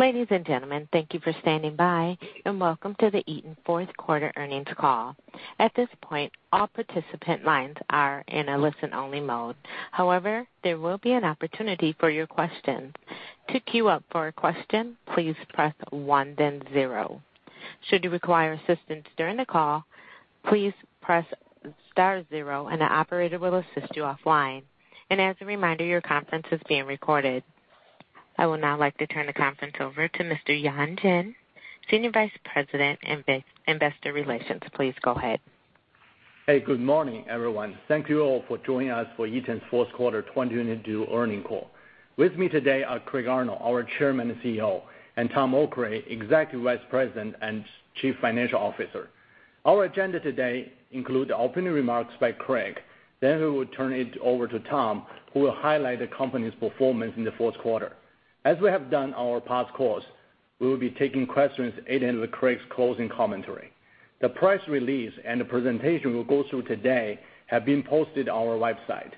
Ladies and gentlemen, thank you for standing by, welcome to the Eaton fourth quarter earnings call. At this point, all participant lines are in a listen-only mode. However, there will be an opportunity for your questions. To queue up for a question, please press one then zero. Should you require assistance during the call, please press star zero and an operator will assist you offline. As a reminder, your conference is being recorded. I would now like to turn the conference over to Mr. Yan Jin, Senior Vice President, Investor Relations. Please go ahead. Hey, good morning, everyone. Thank you all for joining us for Eaton's fourth quarter 2022 earnings call. With me today are Craig Arnold, our Chairman and CEO, and Tom Okray, Executive Vice President and Chief Financial Officer. Our agenda today includes opening remarks by Craig. We will turn it over to Tom, who will highlight the company's performance in the fourth quarter. As we have done our past calls, we will be taking questions at the end of Craig's closing commentary. The press release and the presentation we'll go through today have been posted on our website.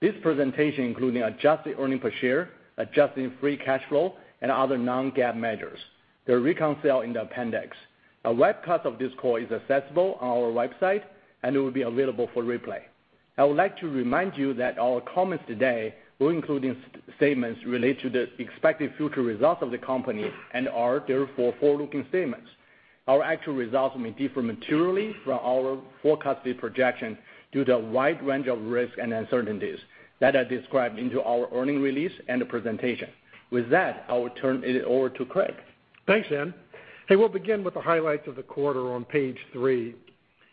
This presentation, including adjusted earnings per share, adjusted free cash flow, and other non-GAAP measures, are reconciled in the appendix. A webcast of this call is accessible on our website. It will be available for replay. I would like to remind you that our comments today will include statements related to the expected future results of the company and are therefore forward-looking statements. Our actual results may differ materially from our forecasted projection due to a wide range of risks and uncertainties that are described into our earnings release and the presentation. I will turn it over to Craig. Thanks, Yan. Hey, we'll begin with the highlights of the quarter on page three.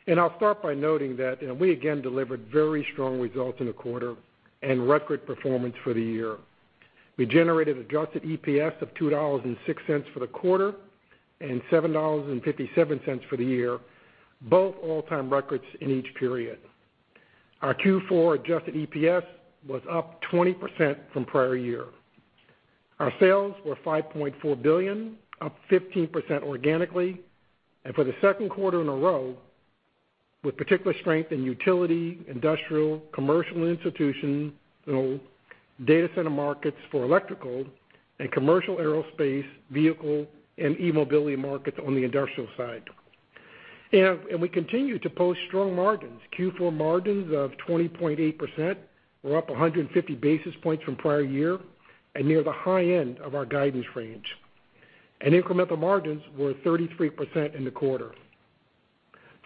I'll start by noting that, you know, we again delivered very strong results in the quarter and record performance for the year. We generated adjusted EPS of $2.06 for the quarter and $7.57 for the year, both all-time records in each period. Our Q4 adjusted EPS was up 20% from prior year. Our sales were $5.4 billion, up 15% organically, for the second quarter in a row, with particular strength in utility, industrial, commercial institutional, data center markets for electrical and commercial aerospace, vehicle and eMobility markets on the industrial side. We continue to post strong margins. Q4 margins of 20.8% were up 150 basis points from prior year and near the high end of our guidance range. Incremental margins were 33% in the quarter.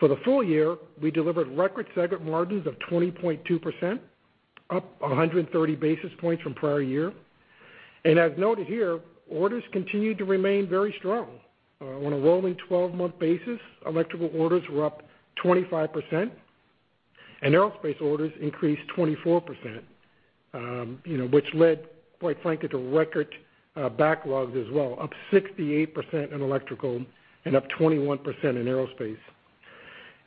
For the full year, we delivered record segment margins of 20.2%, up 130 basis points from prior year. As noted here, orders continued to remain very strong. On a rolling 12-month basis, Electrical orders were up 25%, and aerospace orders increased 24%, you know, which led, quite frankly, to record backlogs as well, up 68% in Electrical and up 21% in aerospace.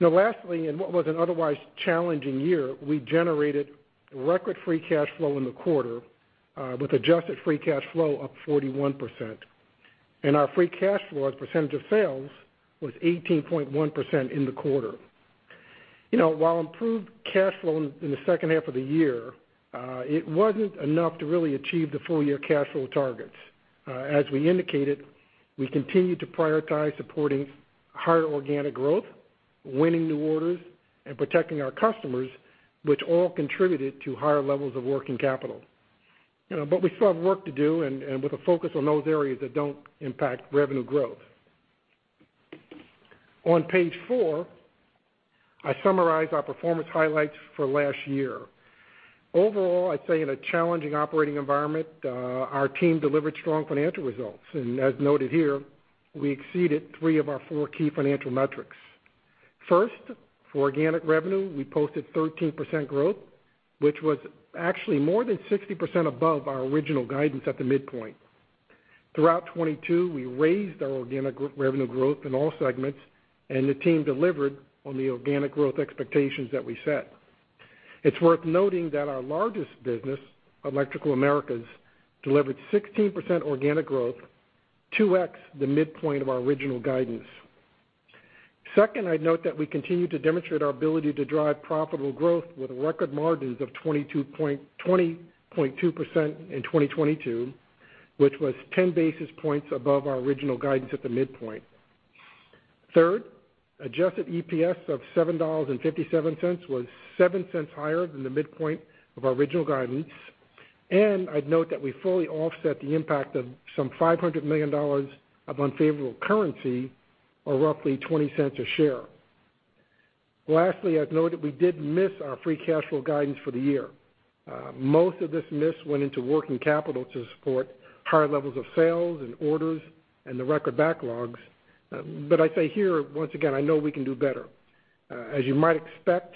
Now lastly, in what was an otherwise challenging year, we generated record free cash flow in the quarter, with adjusted free cash flow up 41%. Our free cash flow as a percentage of sales was 18.1% in the quarter. You know, while improved cash flow in the second half of the year, it wasn't enough to really achieve the full-year cash flow targets. As we indicated, we continued to prioritize supporting higher organic growth, winning new orders, and protecting our customers, which all contributed to higher levels of working capital. You know, we still have work to do and with a focus on those areas that don't impact revenue growth. On page four, I summarize our performance highlights for last year. Overall, I'd say in a challenging operating environment, our team delivered strong financial results. As noted here, we exceeded three of our three key financial metrics. First, for organic revenue, we posted 13% growth, which was actually more than 60% above our original guidance at the midpoint. Throughout 2022, we raised our organic revenue growth in all segments, and the team delivered on the organic growth expectations that we set. It's worth noting that our largest business, Electrical Americas, delivered 16% organic growth, 2x the midpoint of our original guidance. Second, I'd note that we continue to demonstrate our ability to drive profitable growth with record margins of 20.2% in 2022, which was 10 basis points above our original guidance at the midpoint. Third, adjusted EPS of $7.57 was $0.07 higher than the midpoint of our original guidance, and I'd note that we fully offset the impact of some $500 million of unfavorable currency, or roughly $0.20 a share. Lastly, I'd note that we did miss our free cash flow guidance for the year. Most of this miss went into working capital to support higher levels of sales and orders and the record backlogs, but I say here, once again, I know we can do better. As you might expect,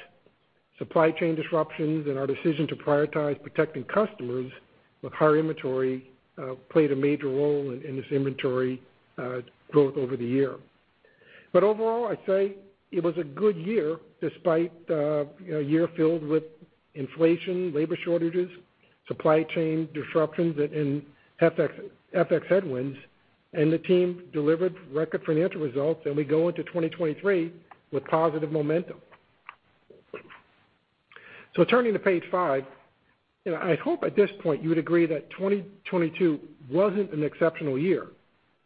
supply chain disruptions and our decision to prioritize protecting customers with higher inventory played a major role in this inventory growth over the year. Overall, I'd say it was a good year despite a year filled with inflation, labor shortages, supply chain disruptions and FX headwinds, and the team delivered record financial results, and we go into 2023 with positive momentum. Turning to page five, you know, I hope at this point you would agree that 2022 wasn't an exceptional year,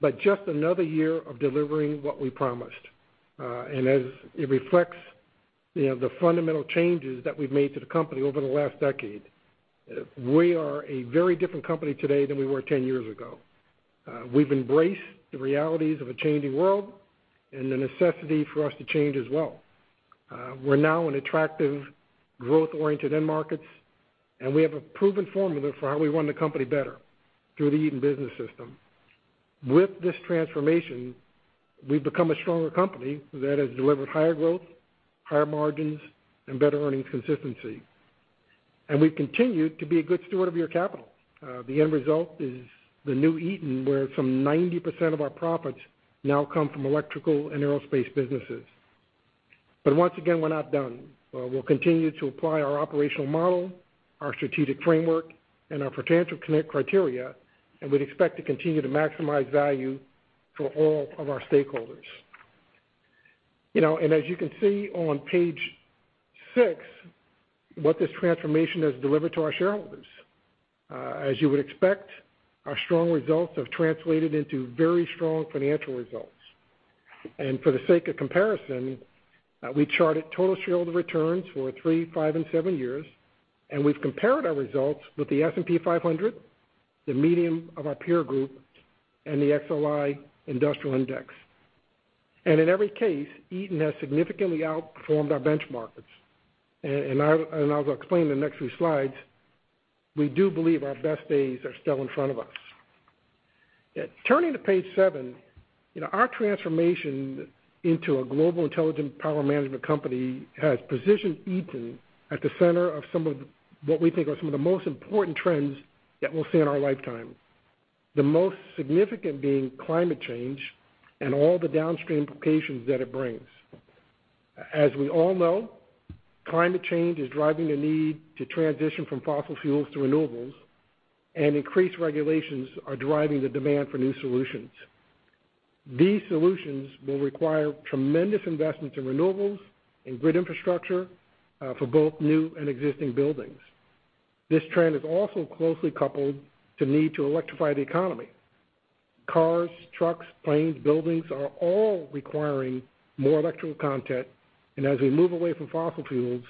but just another year of delivering what we promised. As it reflects, you know, the fundamental changes that we've made to the company over the last decade, we are a very different company today than we were 10 years ago. We've embraced the realities of a changing world and the necessity for us to change as well. We're now an attractive, growth-oriented end markets, and we have a proven formula for how we run the company better through the Eaton Business System. With this transformation, we've become a stronger company that has delivered higher growth, higher margins, and better earnings consistency. We've continued to be a good steward of your capital. The end result is the new Eaton, where some 90% of our profits now come from electrical and aerospace businesses. Once again, we're not done. We'll continue to apply our operational model, our strategic framework, and our potential connect criteria, and we'd expect to continue to maximize value for all of our stakeholders. You know, as you can see on page six, what this transformation has delivered to our shareholders. As you would expect, our strong results have translated into very strong financial results. For the sake of comparison, we charted total shareholder returns for three, five, and seven years, and we've compared our results with the S&P 500, the medium of our peer group, and the XLI Industrial Index. In every case, Eaton has significantly outperformed our benchmarks. I'll explain in the next few slides, we do believe our best days are still in front of us. Turning to page seven, you know, our transformation into a global intelligent power management company has positioned Eaton at the center of some of what we think are some of the most important trends that we'll see in our lifetime. The most significant being climate change and all the downstream implications that it brings. As we all know, climate change is driving the need to transition from fossil fuels to renewables, and increased regulations are driving the demand for new solutions. These solutions will require tremendous investments in renewables, in grid infrastructure, for both new and existing buildings. This trend is also closely coupled to need to electrify the economy. Cars, trucks, planes, buildings are all requiring more electrical content. As we move away from fossil fuels,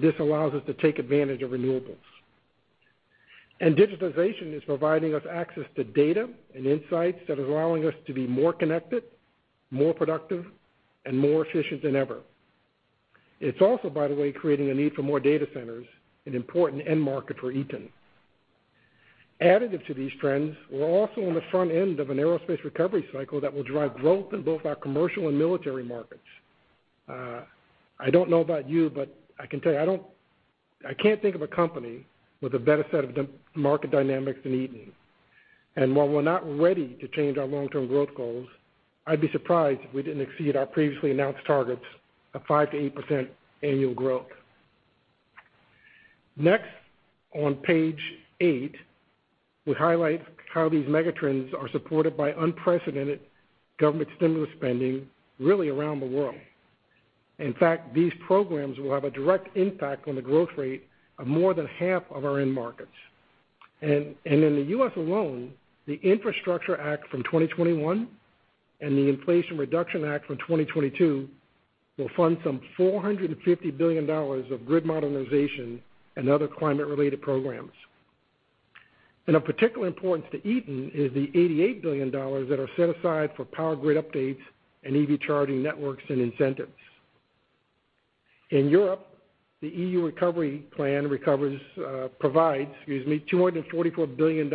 this allows us to take advantage of renewables. Digitalization is providing us access to data and insights that is allowing us to be more connected, more productive, and more efficient than ever. It's also, by the way, creating a need for more data centers, an important end market for Eaton. Additive to these trends, we're also on the front end of an aerospace recovery cycle that will drive growth in both our commercial and military markets. I don't know about you, but I can tell you, I can't think of a company with a better set of market dynamics than Eaton. While we're not ready to change our long-term growth goals, I'd be surprised if we didn't exceed our previously announced targets of 5%-8% annual growth. Next, on page eight, we highlight how these mega trends are supported by unprecedented government stimulus spending, really around the world. In fact, these programs will have a direct impact on the growth rate of more than half of our end markets. In the U.S. alone, the Infrastructure Act from 2021 and the Inflation Reduction Act from 2022 will fund some $450 billion of grid modernization and other climate-related programs. Of particular importance to Eaton is the $88 billion that are set aside for power grid updates and EV charging networks and incentives. In Europe, the EU recovery plan provides, excuse me, $244 billion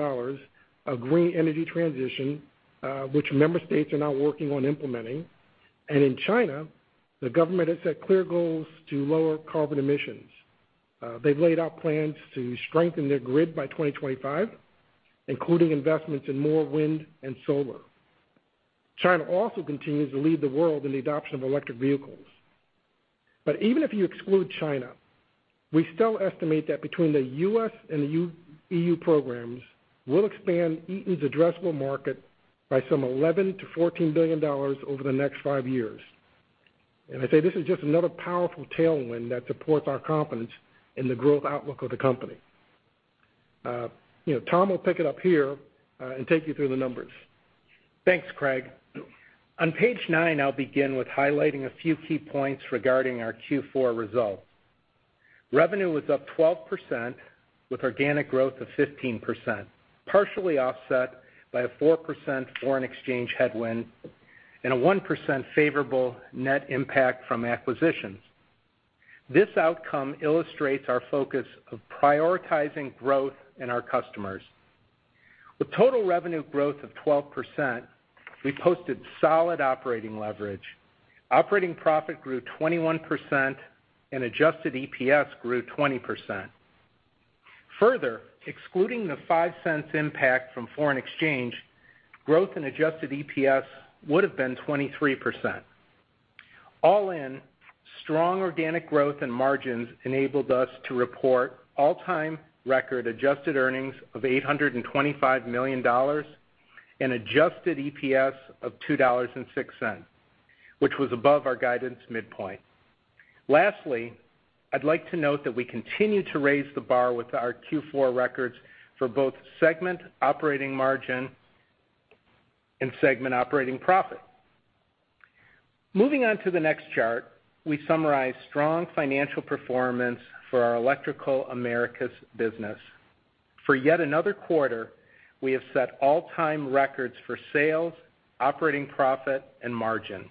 of green energy transition, which member states are now working on implementing. In China, the government has set clear goals to lower carbon emissions. They've laid out plans to strengthen their grid by 2025, including investments in more wind and solar. China also continues to lead the world in the adoption of electric vehicles. Even if you exclude China, we still estimate that between the U.S. and the EU programs will expand Eaton's addressable market by some $11 billion-$14 billion over the next five years. I say this is just another powerful tailwind that supports our confidence in the growth outlook of the company. You know, Tom will pick it up here and take you through the numbers. Thanks, Craig. On page nine, I'll begin with highlighting a few key points regarding our Q4 results. Revenue was up 12% with organic growth of 15%, partially offset by a 4% foreign exchange headwind and a 1% favorable net impact from acquisitions. This outcome illustrates our focus of prioritizing growth in our customers. With total revenue growth of 12%, we posted solid operating leverage. Operating profit grew 21% and adjusted EPS grew 20%. Further, excluding the $0.05 impact from foreign exchange, growth in adjusted EPS would have been 23%. All in, strong organic growth and margins enabled us to report all-time record adjusted earnings of $825 million and adjusted EPS of $2.06. Which was above our guidance midpoint. Lastly, I'd like to note that we continue to raise the bar with our Q4 records for both segment operating margin and segment operating profit. Moving on to the next chart, we summarize strong financial performance for our Electrical Americas business. For yet another quarter, we have set all-time records for sales, operating profit, and margin.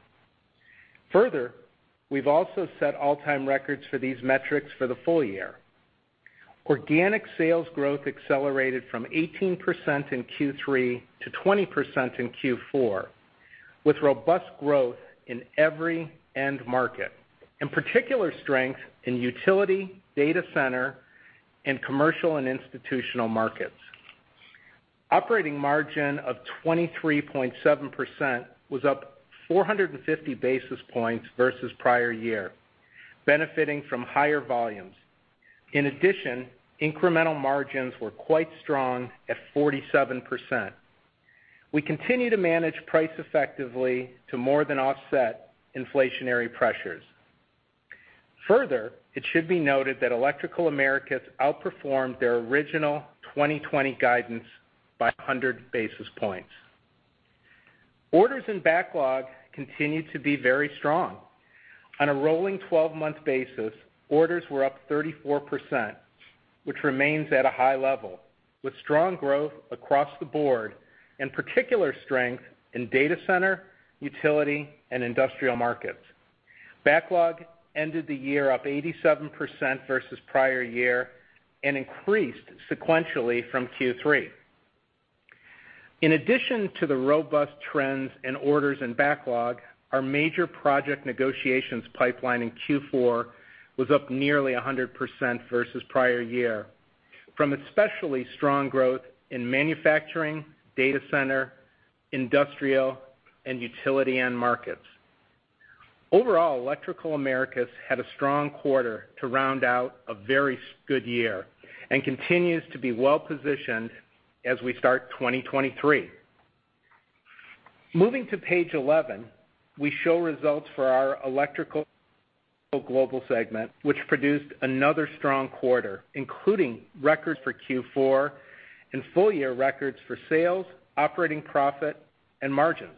We've also set all-time records for these metrics for the full year. Organic sales growth accelerated from 18% in Q3 to 20% in Q4, with robust growth in every end market, and particular strength in utility, data center, and commercial and institutional markets. Operating margin of 23.7% was up 450 basis points versus prior year, benefiting from higher volumes. In addition, incremental margins were quite strong at 47%. We continue to manage price effectively to more than offset inflationary pressures. Further, it should be noted that Electrical Americas outperformed their original 2020 guidance by 100 basis points. Orders and backlog continued to be very strong. On a rolling 12-month basis, orders were up 34%, which remains at a high level, with strong growth across the board and particular strength in data center, utility, and industrial markets. Backlog ended the year up 87% versus prior year and increased sequentially from Q3. In addition to the robust trends in orders and backlog, our major project negotiations pipeline in Q4 was up nearly 100% versus prior year from especially strong growth in manufacturing, data center, industrial, and utility end markets. Overall, Electrical Americas had a strong quarter to round out a very good year and continues to be well-positioned as we start 2023. Moving to page 11, we show results for our Electrical Global segment, which produced another strong quarter, including record for Q4 and full year records for sales, operating profit, and margins.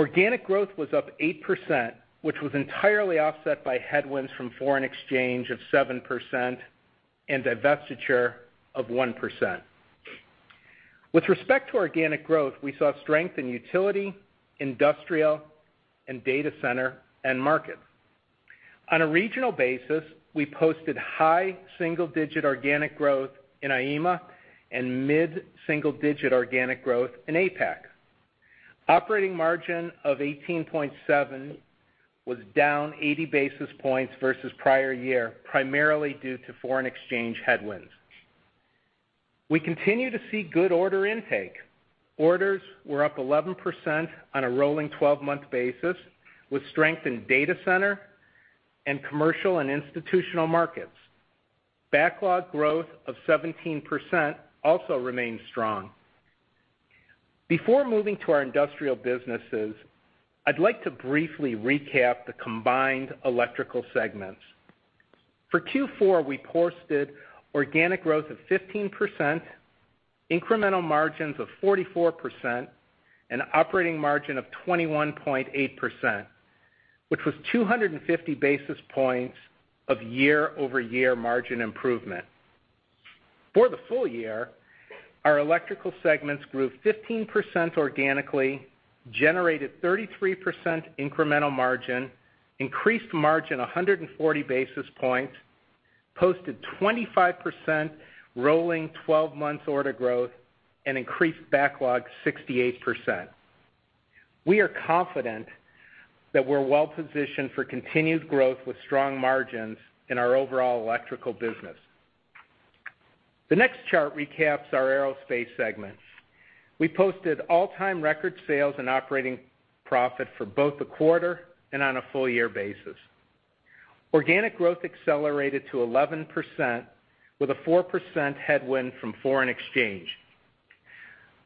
Organic growth was up 8%, which was entirely offset by headwinds from foreign exchange of 7% and divestiture of 1%. With respect to organic growth, we saw strength in utility, industrial, and data center end market. On a regional basis, we posted high single-digit organic growth in EMEA and mid-single digit organic growth in APAC. Operating margin of 18.7 was down 80 basis points versus prior year, primarily due to foreign exchange headwinds. We continue to see good order intake. Orders were up 11% on a rolling 12-month basis, with strength in data center and commercial and institutional markets. Backlog growth of 17% also remains strong. Before moving to our Industrial businesses, I'd like to briefly recap the combined Electrical segments. For Q4, we posted organic growth of 15%, incremental margins of 44%, and operating margin of 21.8%, which was 250 basis points of year-over-year margin improvement. For the full year, our Electrical segments grew 15% organically, generated 33% incremental margin, increased margin 140 basis points, posted 25% rolling 12 months order growth, and increased backlog 68%. We are confident that we're well-positioned for continued growth with strong margins in our overall Electrical business. The next chart recaps our Aerospace segments. We posted all-time record sales and operating profit for both the quarter and on a full year basis. Organic growth accelerated to 11% with a 4% headwind from foreign exchange.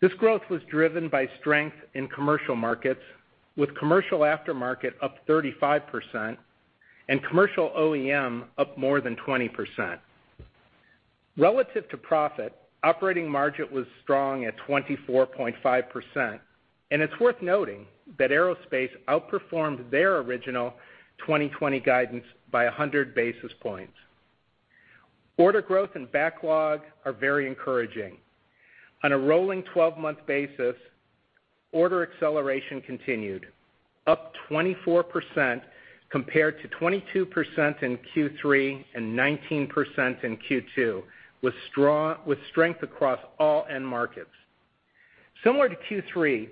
This growth was driven by strength in commercial markets, with commercial aftermarket up 35% and commercial OEM up more than 20%. Relative to profit, operating margin was strong at 24.5%. It's worth noting that Aerospace outperformed their original 2020 guidance by 100 basis points. Order growth and backlog are very encouraging. On a rolling 12-month basis, order acceleration continued, up 24% compared to 22% in Q3 and 19% in Q2, with strength across all end markets. Similar to Q3,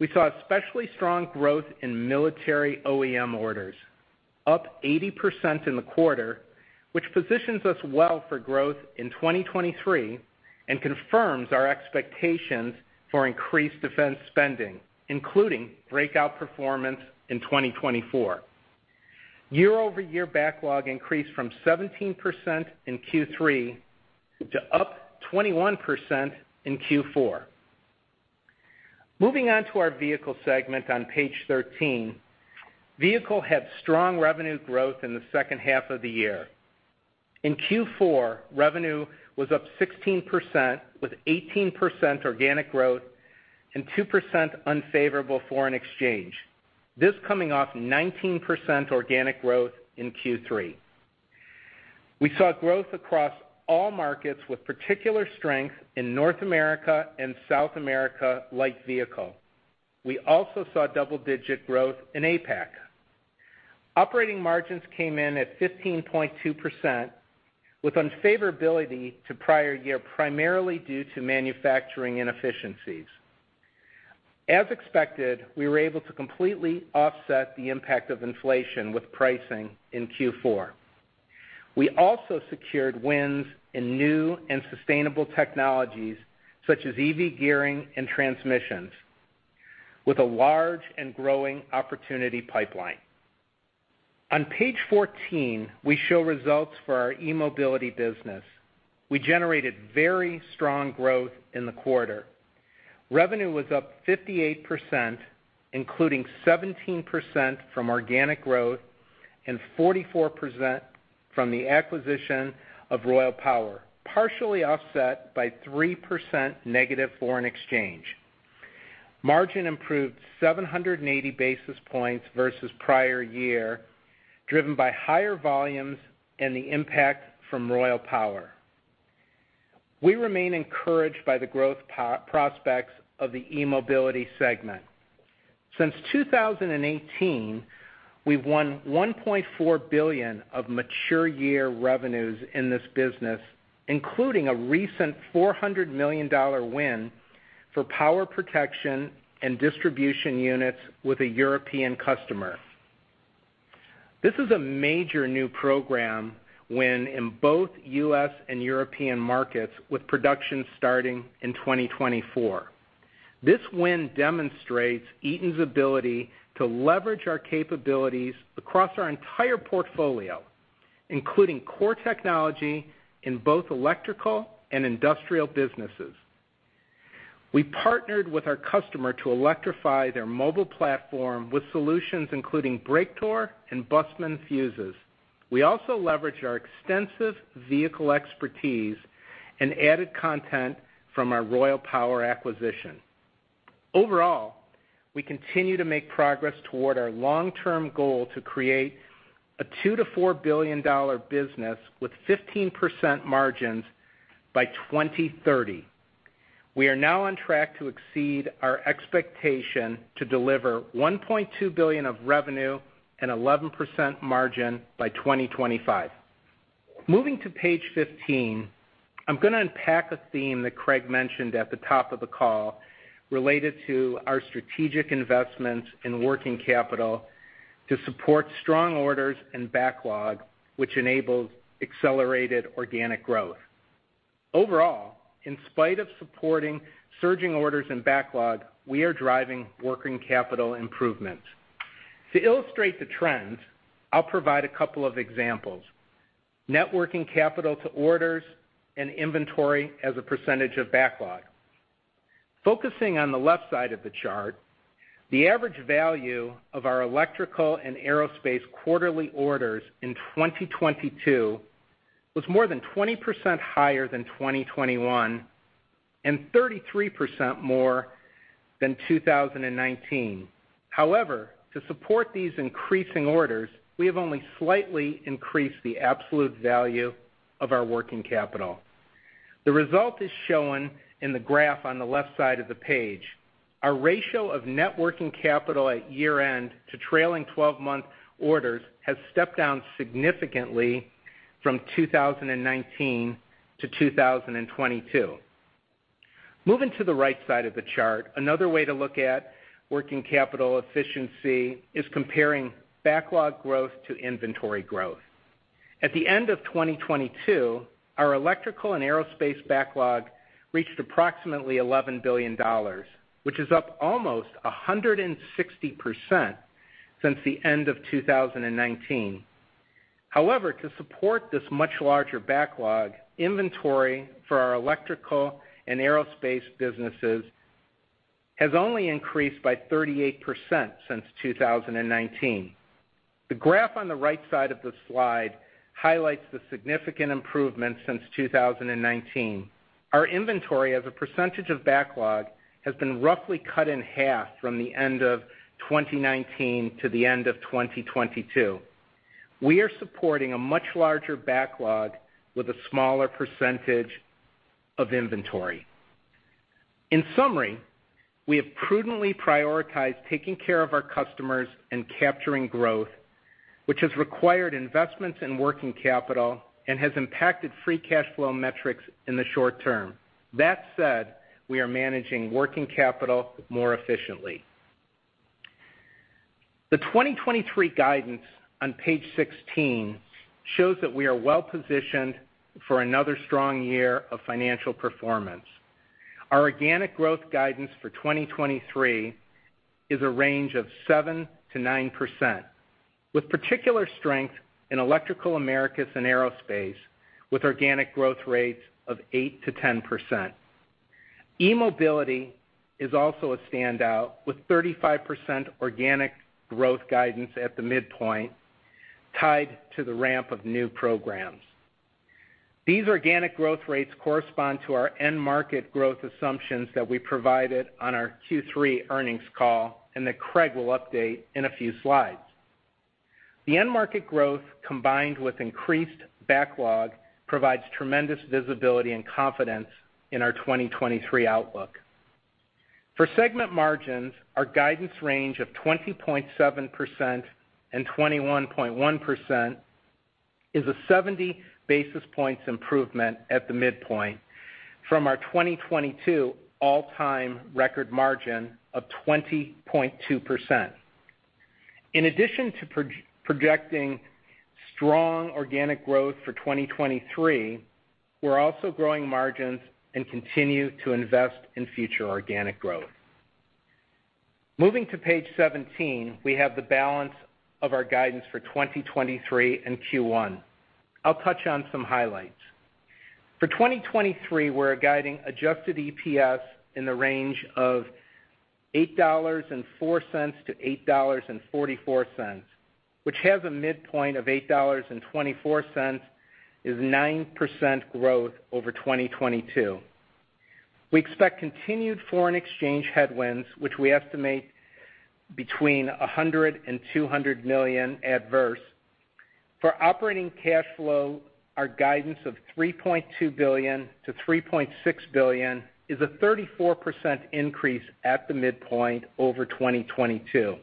we saw especially strong growth in military OEM orders, up 80% in the quarter, which positions us well for growth in 2023 and confirms our expectations for increased defense spending, including breakout performance in 2024. Year-over-year backlog increased from 17% in Q3 to up 21% in Q4. Moving on to our vehicle segment on page 13. Vehicle had strong revenue growth in the second half of the year. In Q4, revenue was up 16%, with 18% organic growth and 2% unfavorable foreign exchange. This coming off 19% organic growth in Q3. We saw growth across all markets, with particular strength in North America and South America light vehicle. We also saw double-digit growth in APAC. Operating margins came in at 15.2%, with unfavorability to prior year, primarily due to manufacturing inefficiencies. As expected, we were able to completely offset the impact of inflation with pricing in Q4. We also secured wins in new and sustainable technologies such as EV gearing and transmissions, with a large and growing opportunity pipeline. On page 14, we show results for our eMobility business. We generated very strong growth in the quarter. Revenue was up 58%, including 17% from organic growth and 44% from the acquisition of Royal Power, partially offset by 3% negative foreign exchange. Margin improved 780 basis points versus prior year, driven by higher volumes and the impact from Royal Power. We remain encouraged by the growth prospects of the eMobility segment. Since 2018, we've won $1.4 billion of mature year revenues in this business, including a recent $400 million win for power protection and distribution units with a European customer. This is a major new program win in both U.S. and European markets, with production starting in 2024. This win demonstrates Eaton's ability to leverage our capabilities across our entire portfolio, including core technology in both electrical and industrial businesses. We partnered with our customer to electrify their mobile platform with solutions, including Breaktor and Bussmann fuses. We also leveraged our extensive vehicle expertise and added content from our Royal Power acquisition. Overall, we continue to make progress toward our long-term goal to create a $2 billion-$4 billion business with 15% margins by 2030. We are now on track to exceed our expectation to deliver $1.2 billion of revenue and 11% margin by 2025. Moving to page 15, I'm gonna unpack a theme that Craig mentioned at the top of the call related to our strategic investments in working capital to support strong orders and backlog, which enables accelerated organic growth. Overall, in spite of supporting surging orders and backlog, we are driving working capital improvement. To illustrate the trend, I'll provide a couple of examples. Net working capital to orders and inventory as a percent of backlog. Focusing on the left side of the chart, the average value of our electrical and aerospace quarterly orders in 2022 was more than 20% higher than 2021, and 33% more than 2019. To support these increasing orders, we have only slightly increased the absolute value of our working capital. The result is shown in the graph on the left side of the page. Our ratio of net working capital at year-end to trailing 12-month orders has stepped down significantly from 2019 to 2022. Moving to the right side of the chart, another way to look at working capital efficiency is comparing backlog growth to inventory growth. At the end of 2022, our electrical and aerospace backlog reached approximately $11 billion, which is up almost 160% since the end of 2019. To support this much larger backlog, inventory for our electrical and aerospace businesses has only increased by 38% since 2019. The graph on the right side of the slide highlights the significant improvements since 2019. Our inventory as a percentage of backlog has been roughly cut in half from the end of 2019 to the end of 2022. We are supporting a much larger backlog with a smaller percentage of inventory. In summary, we have prudently prioritized taking care of our customers and capturing growth, which has required investments in working capital and has impacted free cash flow metrics in the short term. That said, we are managing working capital more efficiently. The 2023 guidance on page 16 shows that we are well-positioned for another strong year of financial performance. Our organic growth guidance for 2023 is a range of 7%-9%, with particular strength in Electrical Americas and Aerospace, with organic growth rates of 8%-10%. eMobility is also a standout, with 35% organic growth guidance at the midpoint tied to the ramp of new programs. These organic growth rates correspond to our end market growth assumptions that we provided on our Q3 earnings call and that Craig will update in a few slides. The end market growth combined with increased backlog provides tremendous visibility and confidence in our 2023 outlook. For segment margins, our guidance range of 20.7%-21.1% is a 70 basis points improvement at the midpoint from our 2022 all-time record margin of 20.2%. In addition to projecting strong organic growth for 2023, we're also growing margins and continue to invest in future organic growth. Moving to page 17, we have the balance of our guidance for 2023 and Q1. I'll touch on some highlights. For 2023, we're guiding adjusted EPS in the range of $8.04-$8.44, which has a midpoint of $8.24, is 9% growth over 2022. We expect continued foreign exchange headwinds, which we estimate between $100 million-$200 million adverse. For operating cash flow, our guidance of $3.2 billion-$3.6 billion is a 34% increase at the midpoint over 2022.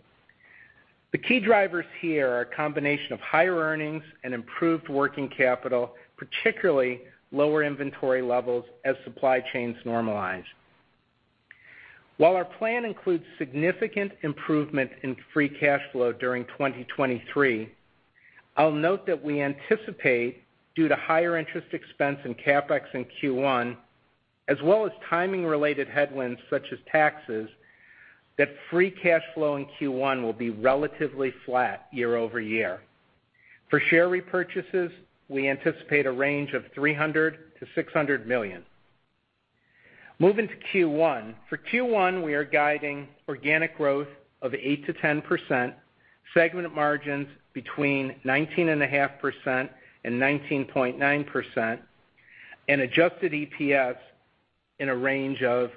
The key drivers here are a combination of higher earnings and improved working capital, particularly lower inventory levels as supply chains normalize. While our plan includes significant improvement in free cash flow during 2023, I'll note that we anticipate, due to higher interest expense in CapEx in Q1, as well as timing-related headwinds such as taxes, that free cash flow in Q1 will be relatively flat year-over-year. For share repurchases, we anticipate a range of $300 million-$600 million. Moving to Q1. For Q1, we are guiding organic growth of 8%-10%, segment margins between 19.5% and 19.9%, and adjusted EPS in a range of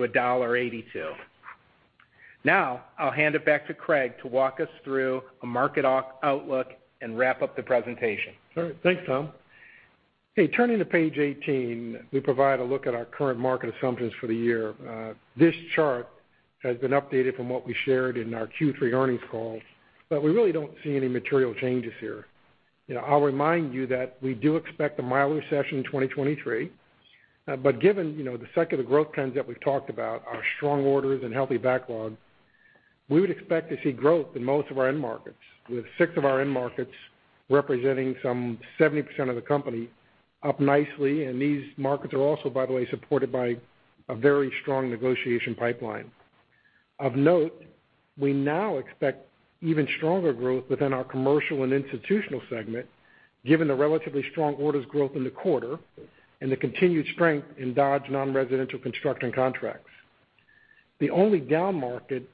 $1.72-$1.82. I'll hand it back to Craig to walk us through a market outlook and wrap up the presentation. All right, thanks, Tom. Hey, turning to page 18, we provide a look at our current market assumptions for the year. This chart has been updated from what we shared in our Q3 earnings call, but we really don't see any material changes here. You know, I'll remind you that we do expect a milder recession in 2023. But given, you know, the secular growth trends that we've talked about, our strong orders and healthy backlog, we would expect to see growth in most of our end markets, with six of our end markets representing some 70% of the company up nicely. These markets are also, by the way, supported by a very strong negotiation pipeline. Of note, we now expect even stronger growth within our commercial and institutional segment, given the relatively strong orders growth in the quarter and the continued strength in Dodge non-residential construction contracts. The only down market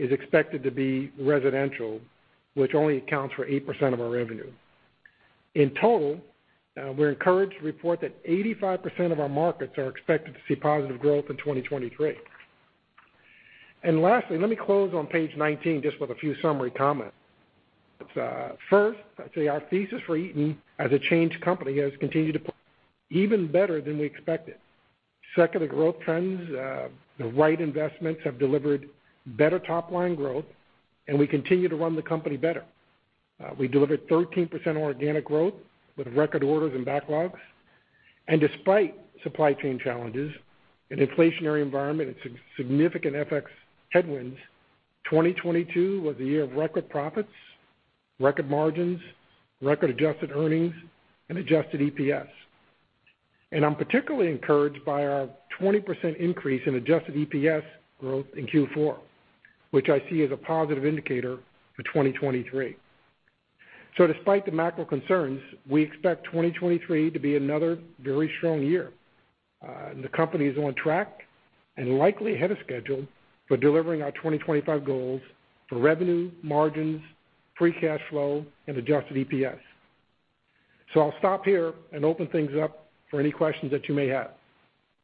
is expected to be residential, which only accounts for 8% of our revenue. In total, we're encouraged to report that 85% of our markets are expected to see positive growth in 2023. Lastly, let me close on page 19, just with a few summary comments. First, I'd say our thesis for Eaton as a changed company has continued to even better than we expected. Second, the growth trends, the right investments have delivered better top line growth, and we continue to run the company better. We delivered 13% organic growth with record orders and backlogs. Despite supply chain challenges and inflationary environment and significant FX headwinds, 2022 was a year of record profits, record margins, record adjusted earnings, and adjusted EPS. I'm particularly encouraged by our 20% increase in adjusted EPS growth in Q4, which I see as a positive indicator for 2023. Despite the macro concerns, we expect 2023 to be another very strong year. The company is on track and likely ahead of schedule for delivering our 2025 goals for revenue, margins, free cash flow, and adjusted EPS. I'll stop here and open things up for any questions that you may have.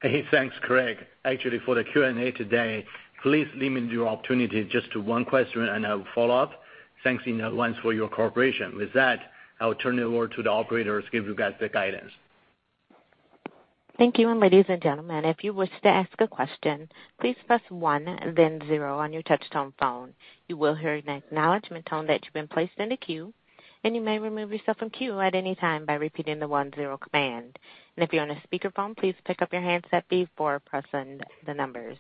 Hey, thanks, Craig. Actually, for the Q&A today, please limit your opportunity just to 1 question and a follow-up. Thanks in advance for your cooperation. With that, I'll turn it over to the operators to give you guys the guidance. Thank you. ladies and gentlemen, if you wish to ask a question, please press one and then zero on your touch tone phone. You will hear an acknowledgment tone that you've been placed in a queue, and you may remove yourself from queue at any time by repeating the one-zero command. if you're on a speakerphone, please pick up your handset before pressing the numbers.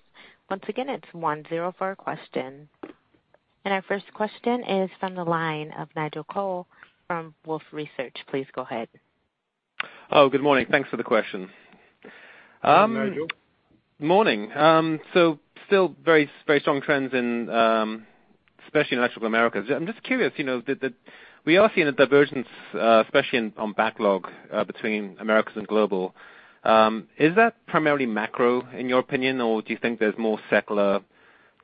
Once again, it's one-zero for a question. Our first question is from the line of Nigel Coe from Wolfe Research. Please go ahead. Oh, good morning. Thanks for the question. Good morning, Nigel. Morning. Still very, very strong trends in Electrical Americas. I'm just curious, you know, we are seeing a divergence, especially in, on backlog, between Americas and global. Is that primarily macro in your opinion, or do you think there's more secular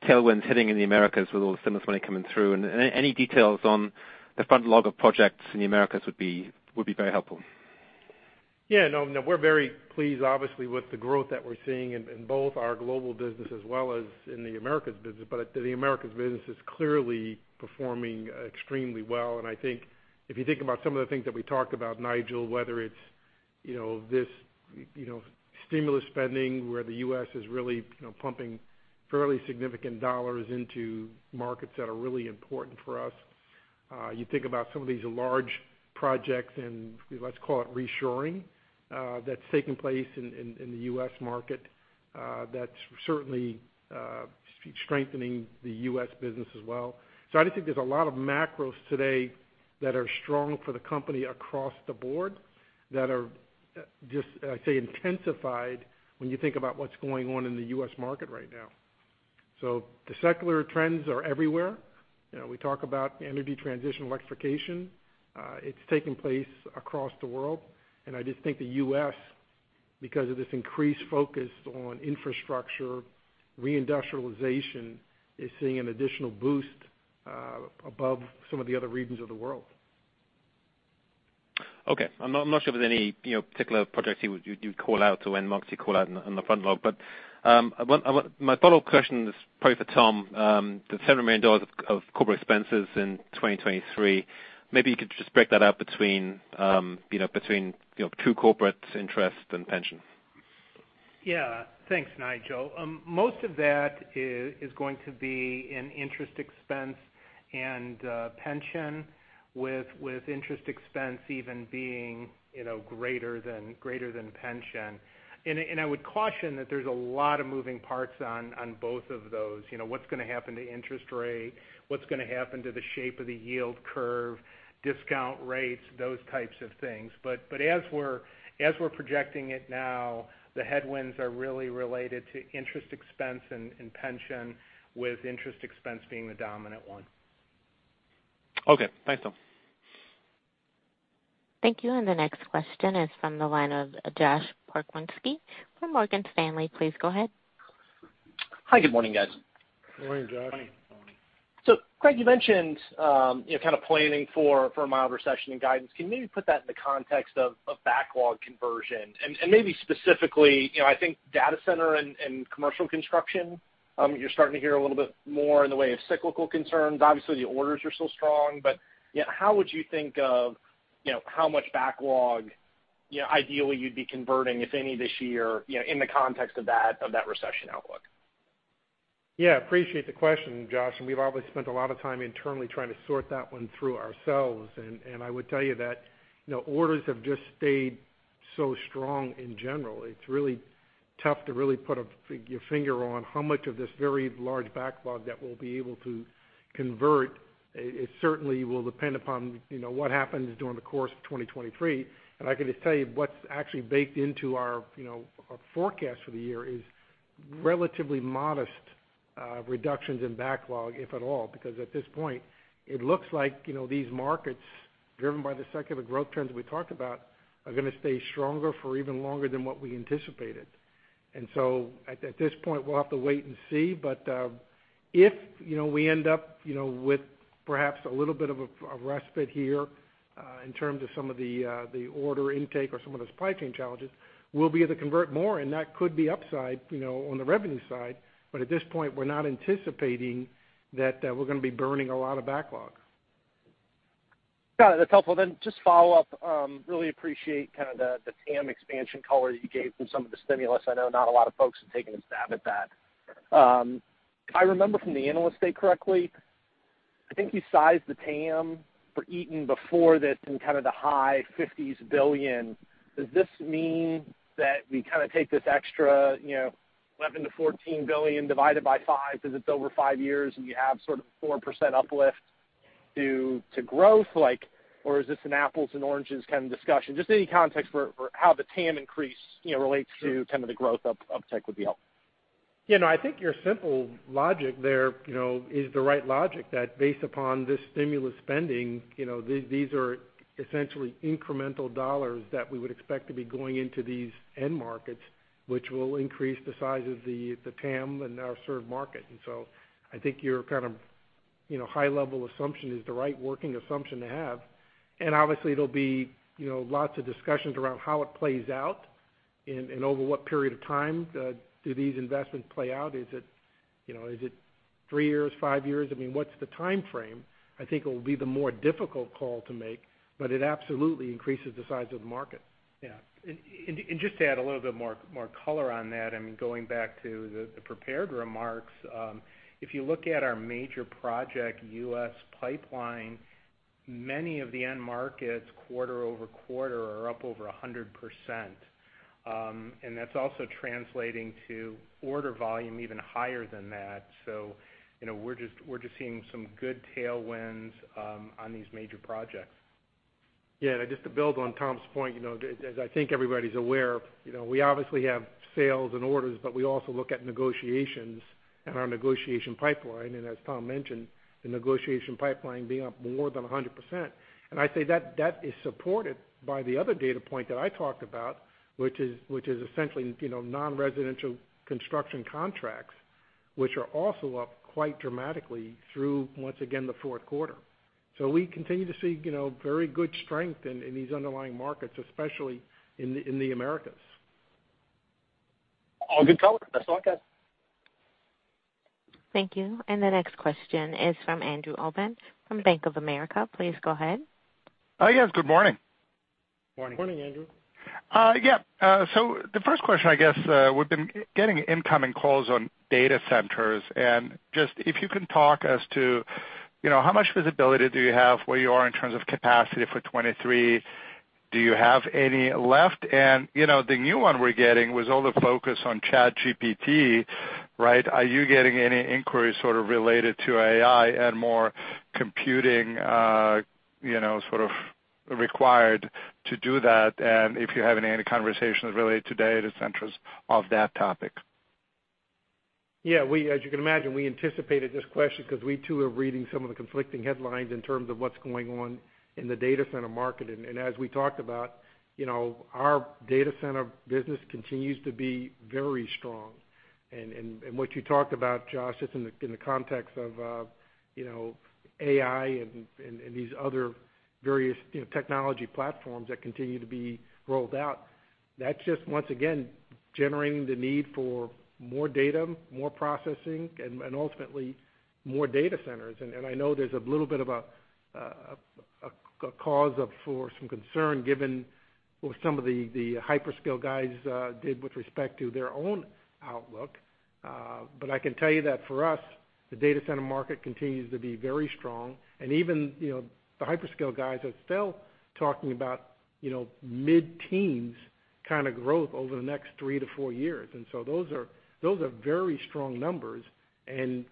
tailwinds hitting in the Americas with all the stimulus money coming through? Any details on the front log of projects in the Americas would be very helpful. Yeah, no. We're very pleased obviously with the growth that we're seeing in both our global business as well as in the Americas business. The Americas business is clearly performing extremely well. I think if you think about some of the things that we talked about, Nigel, whether it's, you know, this, you know, stimulus spending where the U.S. is really, you know, pumping fairly significant dollars into markets that are really important for us. You think about some of these large projects and let's call it reshoring that's taking place in the U.S. market, that's certainly strengthening the U.S. business as well. I just think there's a lot of macros today that are strong for the company across the board that are just, I say, intensified when you think about what's going on in the U.S. market right now. The secular trends are everywhere. You know, we talk about energy transition, electrification, it's taking place across the world. I just think the U.S., because of this increased focus on infrastructure, reindustrialization, is seeing an additional boost above some of the other regions of the world. Okay. I'm not, I'm not sure if there's any, you know, particular projects you would, you'd call out to end markets you call out on the front log. My follow-up question is probably for Tom. The $7 million of corporate expenses in 2023, maybe you could just break that out between, you know, between, you know, true corporate interest and pension. Yeah. Thanks, Nigel. Most of that is going to be in interest expense and pension with interest expense even being, you know, greater than pension. I would caution that there's a lot of moving parts on both of those. You know, what's gonna happen to interest rate? What's gonna happen to the shape of the yield curve, discount rates, those types of things. As we're projecting it now, the headwinds are really related to interest expense and pension with interest expense being the dominant one. Okay. Thanks, Tom. Thank you. The next question is from the line of Josh Pokrzywinski from Morgan Stanley. Please go ahead. Hi. Good morning, guys. Good morning, Josh. Morning. Craig, you mentioned, you know, kind of planning for a mild recession and guidance. Can you maybe put that in the context of backlog conversion? Maybe specifically, you know, I think data center and commercial construction, you're starting to hear a little bit more in the way of cyclical concerns. Obviously, the orders are still strong. Yeah, how would you think of, you know, how much backlog, you know, ideally you'd be converting, if any, this year, you know, in the context of that, of that recession outlook? Yeah, appreciate the question, Josh, and we've obviously spent a lot of time internally trying to sort that one through ourselves. I would tell you that, you know, orders have just stayed so strong in general. It's really tough to really put your finger on how much of this very large backlog that we'll be able to convert. It, it certainly will depend upon, you know, what happens during the course of 2023. I can just tell you what's actually baked into our, you know, our forecast for the year is relatively modest reductions in backlog, if at all. Because at this point, it looks like, you know, these markets, driven by the secular growth trends we talked about, are gonna stay stronger for even longer than what we anticipated. At, at this point, we'll have to wait and see. If, you know, we end up, you know, with perhaps a little bit of a respite here, in terms of some of the order intake or some of the supply chain challenges, we'll be able to convert more, and that could be upside, you know, on the revenue side. At this point, we're not anticipating that, we're gonna be burning a lot of backlog. Got it. That's helpful. Just follow up, really appreciate kind of the TAM expansion color you gave from some of the stimulus. I know not a lot of folks have taken a stab at that. If I remember from the Analyst Day correctly, I think you sized the TAM for Eaton before this in kind of the high $50s billion. Does this mean that we kind of take this extra, you know, $11 billion-$14 billion divided by five cause it's over five years, and you have sort of a 4% uplift to growth? Like, or is this an apples and oranges kind of discussion? Just any context for how the TAM increase, you know, relates to kind of the growth of tech would be helpful. You know, I think your simple logic there, you know, is the right logic that based upon this stimulus spending, you know, these are essentially incremental dollars that we would expect to be going into these end markets, which will increase the size of the TAM and our served market. I think your kind of, you know, high level assumption is the right working assumption to have. Obviously, there'll be, you know, lots of discussions around how it plays out and over what period of time do these investments play out. Is it, you know, is it three years, five years? I mean, what's the timeframe? I think it will be the more difficult call to make, but it absolutely increases the size of the market. Yeah. Just to add a little bit more color on that, I mean, going back to the prepared remarks, if you look at our major project U.S. pipeline. Many of the end markets quarter-over-quarter are up over 100%. That's also translating to order volume even higher than that. You know, we're just seeing some good tailwinds on these major projects. Yeah, just to build on Tom's point, you know, as I think everybody's aware, you know, we obviously have sales and orders, but we also look at negotiations and our negotiation pipeline. As Tom mentioned, the negotiation pipeline being up more than 100%. I say that that is supported by the other data point that I talked about, which is essentially, you know, non-residential construction contracts, which are also up quite dramatically through, once again, the fourth quarter. We continue to see, you know, very good strength in these underlying markets, especially in the Americas. All good color. That's all I got. Thank you. The next question is from Andrew Obin from Bank of America. Please go ahead. Oh, yes. Good morning. Morning. Morning, Andrew. Yeah. So the first question, I guess, we've been getting incoming calls on data centers. Just if you can talk as to, you know, how much visibility do you have, where you are in terms of capacity for 2023? Do you have any left? You know, the new one we're getting was all the focus on ChatGPT, right? Are you getting any inquiries sort of related to AI and more computing, you know, sort of required to do that? If you're having any conversations related to data centers of that topic. Yeah, as you can imagine, we anticipated this question because we too are reading some of the conflicting headlines in terms of what's going on in the data center market. As we talked about, you know, our data center business continues to be very strong. What you talked about, Josh, just in the context of, you know, AI and these other various, you know, technology platforms that continue to be rolled out, that's just, once again, generating the need for more data, more processing and ultimately more data centers. I know there's a little bit of a cause up for some concern given what some of the hyperscale guys did with respect to their own outlook. I can tell you that for us, the data center market continues to be very strong. Even, you know, the hyperscale guys are still talking about, you know, mid-teens kind of growth over the next three to four years. Those are very strong numbers. You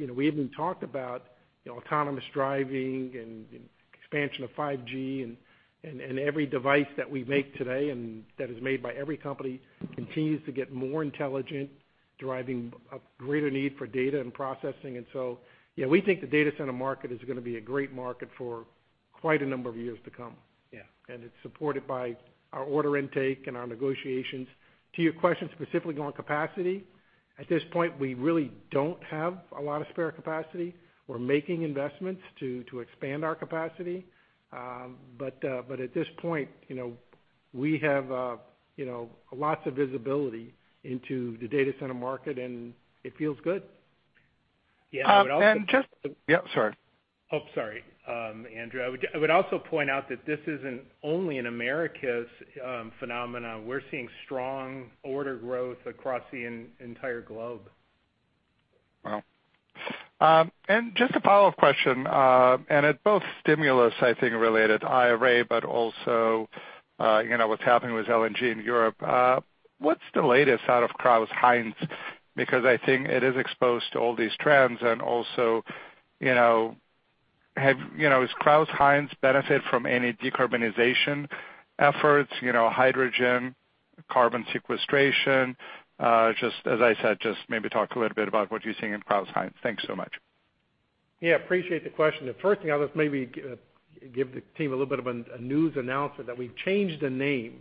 know, we even talked about, you know, autonomous driving and expansion of 5G and every device that we make today and that is made by every company continues to get more intelligent, driving a greater need for data and processing. Yeah, we think the data center market is gonna be a great market for quite a number of years to come. Yeah. It's supported by our order intake and our negotiations. To your question specifically on capacity, at this point, we really don't have a lot of spare capacity. We're making investments to expand our capacity. But at this point, you know, we have, you know, lots of visibility into the data center market, and it feels good. Yeah. I would also. Yeah, sorry. Oh, sorry, Andrew. I would also point out that this isn't only an Americas phenomenon. We're seeing strong order growth across the entire globe. Wow. Just a follow-up question. It's both stimulus, I think, related IRA, but also, you know, what's happening with LNG in Europe. What's the latest out of Crouse-Hinds? Because I think it is exposed to all these trends. Also, you know, has Crouse-Hinds benefit from any decarbonization efforts, you know, hydrogen, carbon sequestration? Just as I said, just maybe talk a little bit about what you're seeing in Crouse-Hinds. Thanks so much. Yeah, appreciate the question. The first thing I'll just maybe give the team a little bit of a news announcement that we've changed the name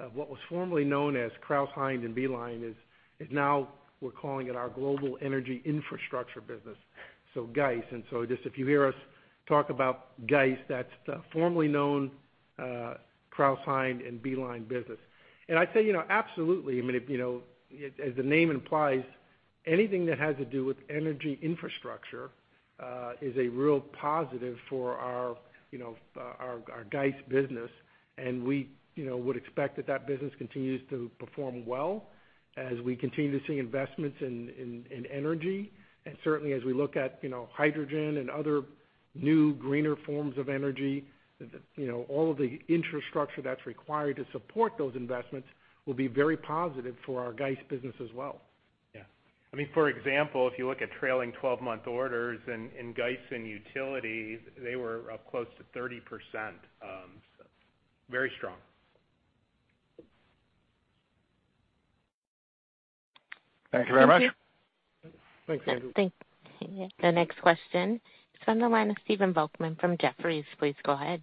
of what was formerly known as Crouse-Hinds and B-Line is now we're calling it our Global Energy Infrastructure business, so GEIS. Just if you hear us talk about GEIS, that's the formerly known Crouse-Hinds and B-Line business. I'd say, you know, absolutely. I mean, if, you know, as the name implies, anything that has to do with energy infrastructure is a real positive for our, you know, our GEIS business. And we, you know, would expect that that business continues to perform well as we continue to see investments in energy. Certainly as we look at, you know, hydrogen and other new greener forms of energy, the, you know, all of the infrastructure that's required to support those investments will be very positive for our GEIS business as well. I mean, for example, if you look at trailing twelve-month orders in GEIS and utility, they were up close to 30%, so very strong. Thank you very much. Thank you. Thanks, Andrew. The next question is on the line of Stephen Volkmann from Jefferies. Please go ahead.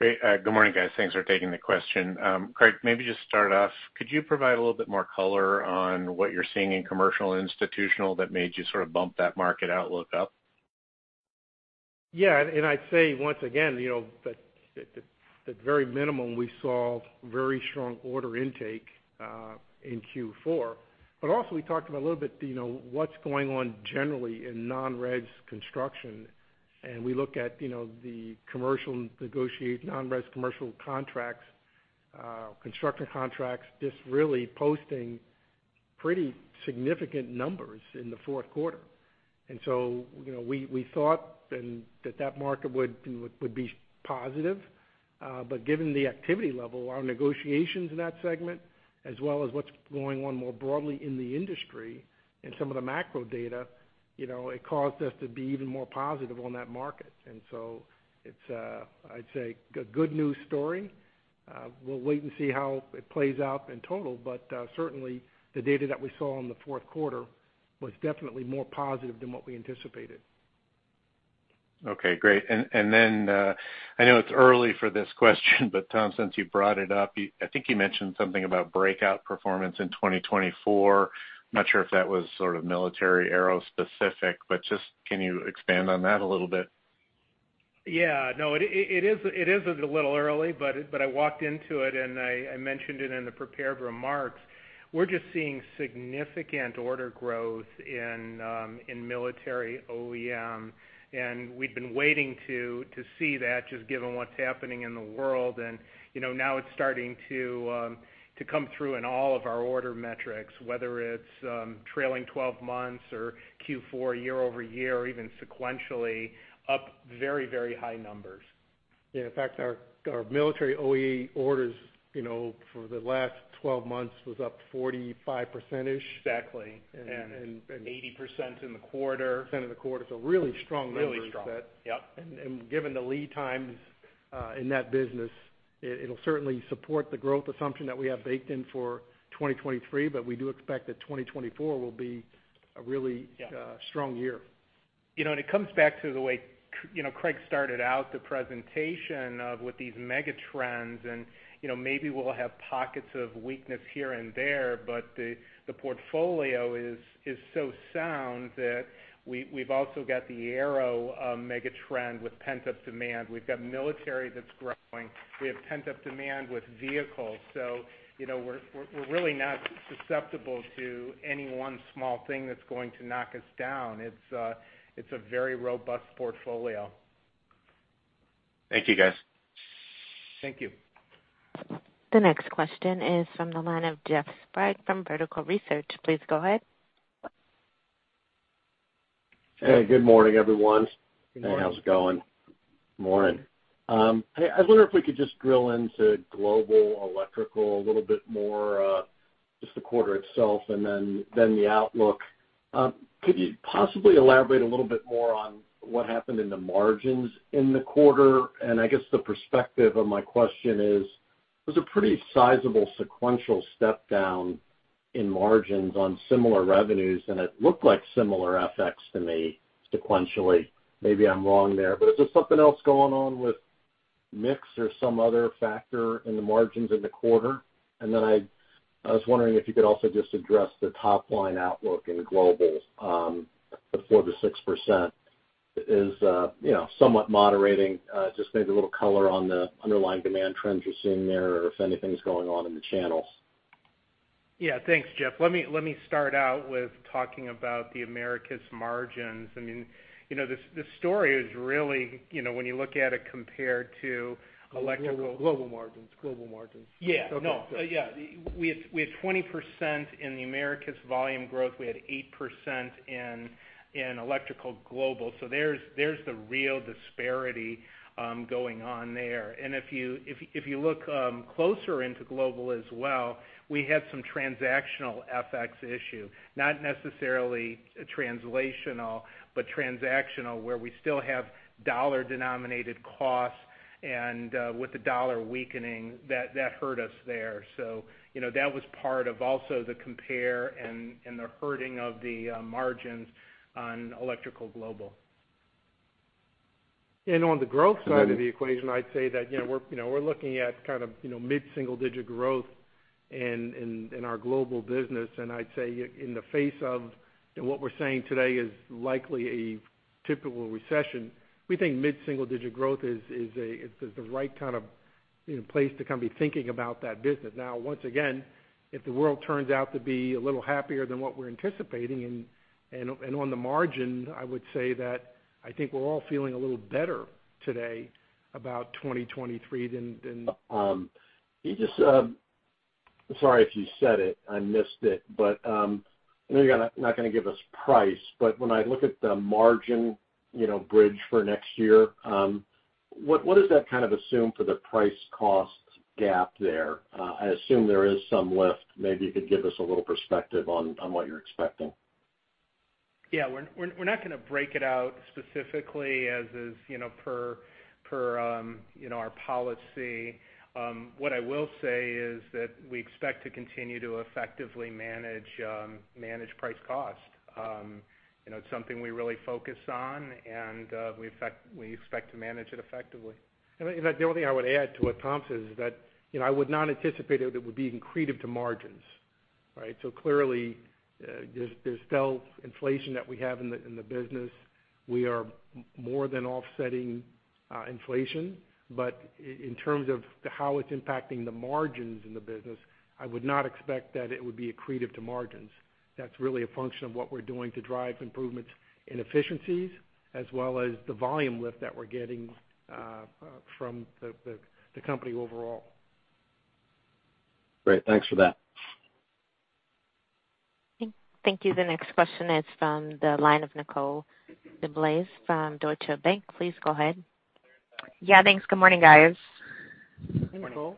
Great. Good morning, guys. Thanks for taking the question. Craig, maybe just start off, could you provide a little bit more color on what you're seeing in commercial institutional that made you sort of bump that market outlook up? I'd say once again, you know, the, the very minimum, we saw very strong order intake in Q4. Also we talked about a little bit, you know, what's going on generally in non-res construction. We look at, you know, the commercial negotiate, non-res commercial contracts, construction contracts just really posting pretty significant numbers in the fourth quarter. You know, we thought and that that market would be positive. Given the activity level, our negotiations in that segment, as well as what's going on more broadly in the industry and some of the macro data, you know, it caused us to be even more positive on that market. It's a, I'd say, a good news story. We'll wait and see how it plays out in total, but, certainly, the data that we saw in the fourth quarter was definitely more positive than what we anticipated. Okay, great. And then, I know it's early for this question, but Tom, since you brought it up, I think you mentioned something about breakout performance in 2024. Not sure if that was sort of military aero specific, but just can you expand on that a little bit? Yeah. No, it is a little early, but I walked into it, and I mentioned it in the prepared remarks. We're just seeing significant order growth in military OEM, and we've been waiting to see that just given what's happening in the world. You know, now it's starting to come through in all of our order metrics, whether it's trailing 12 months or Q4 year-over-year or even sequentially up very, very high numbers. Yeah. In fact, our military OE orders, you know, for the last 12 months was up 45%-ish. Exactly. And, and, and- 80% in the quarter.... % in the quarter. Really strong numbers. Really strong. Yep. Given the lead times in that business, it'll certainly support the growth assumption that we have baked in for 2023. We do expect that 2024 will be a. Yeah... strong year. You know, it comes back to the way you know, Craig started out the presentation of with these mega trends, you know, maybe we'll have pockets of weakness here and there, but the portfolio is so sound that we've also got the aero mega trend with pent-up demand. We've got military that's growing. We have pent-up demand with vehicles. You know, we're really not susceptible to any one small thing that's going to knock us down. It's a very robust portfolio. Thank you, guys. Thank you. The next question is from the line of Jeff Sprague from Vertical Research. Please go ahead. Hey, good morning, everyone. Good morning. How's it going? Morning. I wonder if we could just drill into global electrical a little bit more, just the quarter itself and then the outlook. Could you possibly elaborate a little bit more on what happened in the margins in the quarter? I guess the perspective of my question is, there's a pretty sizable sequential step down in margins on similar revenues, and it looked like similar FX to me sequentially. Maybe I'm wrong there, is there something else going on with mix or some other factor in the margins in the quarter? Then I was wondering if you could also just address the top-line outlook in global, the 4%-6% is, you know, somewhat moderating. Just maybe a little color on the underlying demand trends you're seeing there or if anything's going on in the channels. Yeah. Thanks, Jeff. Let me start out with talking about the Americas margins. I mean, you know, this story is really, you know, when you look at it compared to electrical-. Global margins. No. Yeah. We had 20% in the Americas volume growth. We had 8% in Electrical Global. There's the real disparity going on there. If you look closer into Global as well, we had some transactional FX issue, not necessarily translational, but transactional, where we still have dollar-denominated costs and with the dollar weakening, that hurt us there. You know, that was part of also the compare and the hurting of the margins on Electrical Global. On the growth side of the equation, I'd say that, you know, we're looking at kind of, you know, mid-single digit growth in our global business. I'd say in the face of what we're saying today is likely a typical recession, we think mid-single digit growth is the right kind of place to kind of be thinking about that business. Once again, if the world turns out to be a little happier than what we're anticipating and on the margin, I would say that I think we're all feeling a little better today about 2023 than. You just. Sorry if you said it, I missed it. I know you're not gonna give us price. When I look at the margin, you know, bridge for next year, what does that kind of assume for the price cost gap there? I assume there is some lift. Maybe you could give us a little perspective on what you're expecting. Yeah. We're not gonna break it out specifically as is, you know, per, you know, our policy. What I will say is that we expect to continue to effectively manage price cost. You know, it's something we really focus on, and, we expect to manage it effectively. The only thing I would add to what Tom says is that, you know, I would not anticipate it would be accretive to margins, right? Clearly, there's still inflation that we have in the business. We are more than offsetting inflation. In terms of how it's impacting the margins in the business, I would not expect that it would be accretive to margins. That's really a function of what we're doing to drive improvements in efficiencies as well as the volume lift that we're getting from the company overall. Great. Thanks for that. Thank you. The next question is from the line of Nicole DeBlase from Deutsche Bank. Please go ahead. Yeah, thanks. Good morning, guys. Morning.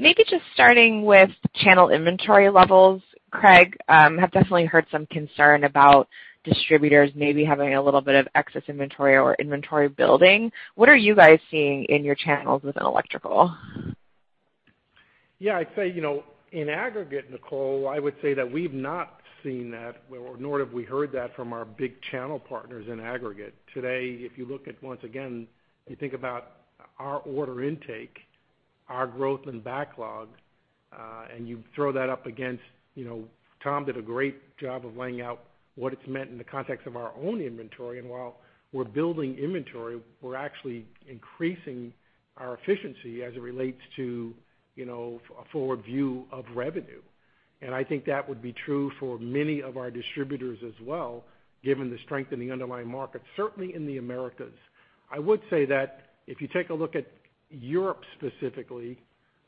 Maybe just starting with channel inventory levels. Craig, have definitely heard some concern about distributors maybe having a little bit of excess inventory or inventory building. What are you guys seeing in your channels within electrical? Yeah. I'd say, you know, in aggregate, Nicole, I would say that we've not seen that, nor have we heard that from our big channel partners in aggregate. Today, if you look at, once again, you think about our order intake, our growth and backlog, and you throw that up against, you know, Tom did a great job of laying out what it's meant in the context of our own inventory. While we're building inventory, we're actually increasing our efficiency as it relates to, you know, a forward view of revenue. I think that would be true for many of our distributors as well, given the strength in the underlying market, certainly in the Americas. I would say that if you take a look at Europe specifically,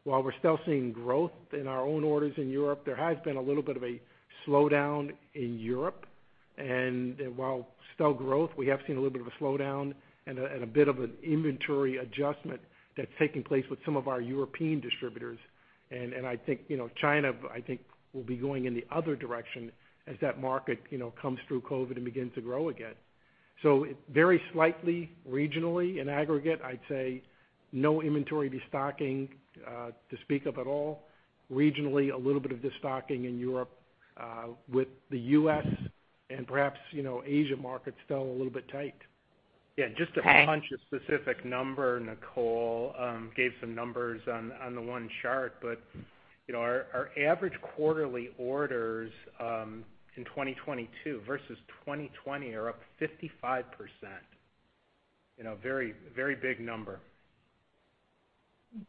while we're still seeing growth in our own orders in Europe, there has been a little bit of a slowdown in Europe. While still growth, we have seen a little bit of a slowdown and a bit of an inventory adjustment that's taking place with some of our European distributors. I think, you know, China, I think, will be going in the other direction as that market, you know, comes through COVID and begins to grow again. Very slightly regionally. In aggregate, I'd say no inventory destocking to speak of at all. Regionally, a little bit of destocking in Europe, with the U.S. and perhaps, you know, Asia markets still a little bit tight. Yeah. Okay. Just to punch a specific number, Nicole gave some numbers on the one chart. You know, our average quarterly orders in 2022 versus 2020 are up 55%. You know, very big number.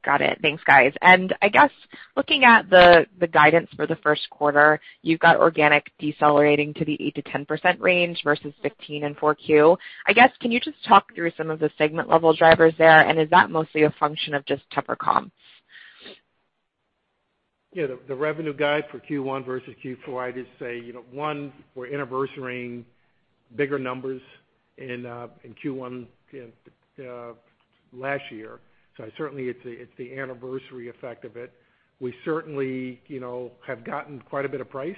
Got it. Thanks, guys. I guess looking at the guidance for the first quarter, you've got organic decelerating to the 8%-10% range versus 15% in 4Q. I guess, can you just talk through some of the segment level drivers there, and is that mostly a function of just tougher comps? Yeah. The revenue guide for Q1 versus Q4, I just say, you know, one, we're anniversarying bigger numbers in Q1 last year. Certainly it's the, it's the anniversary effect of it. We certainly, you know, have gotten quite a bit of price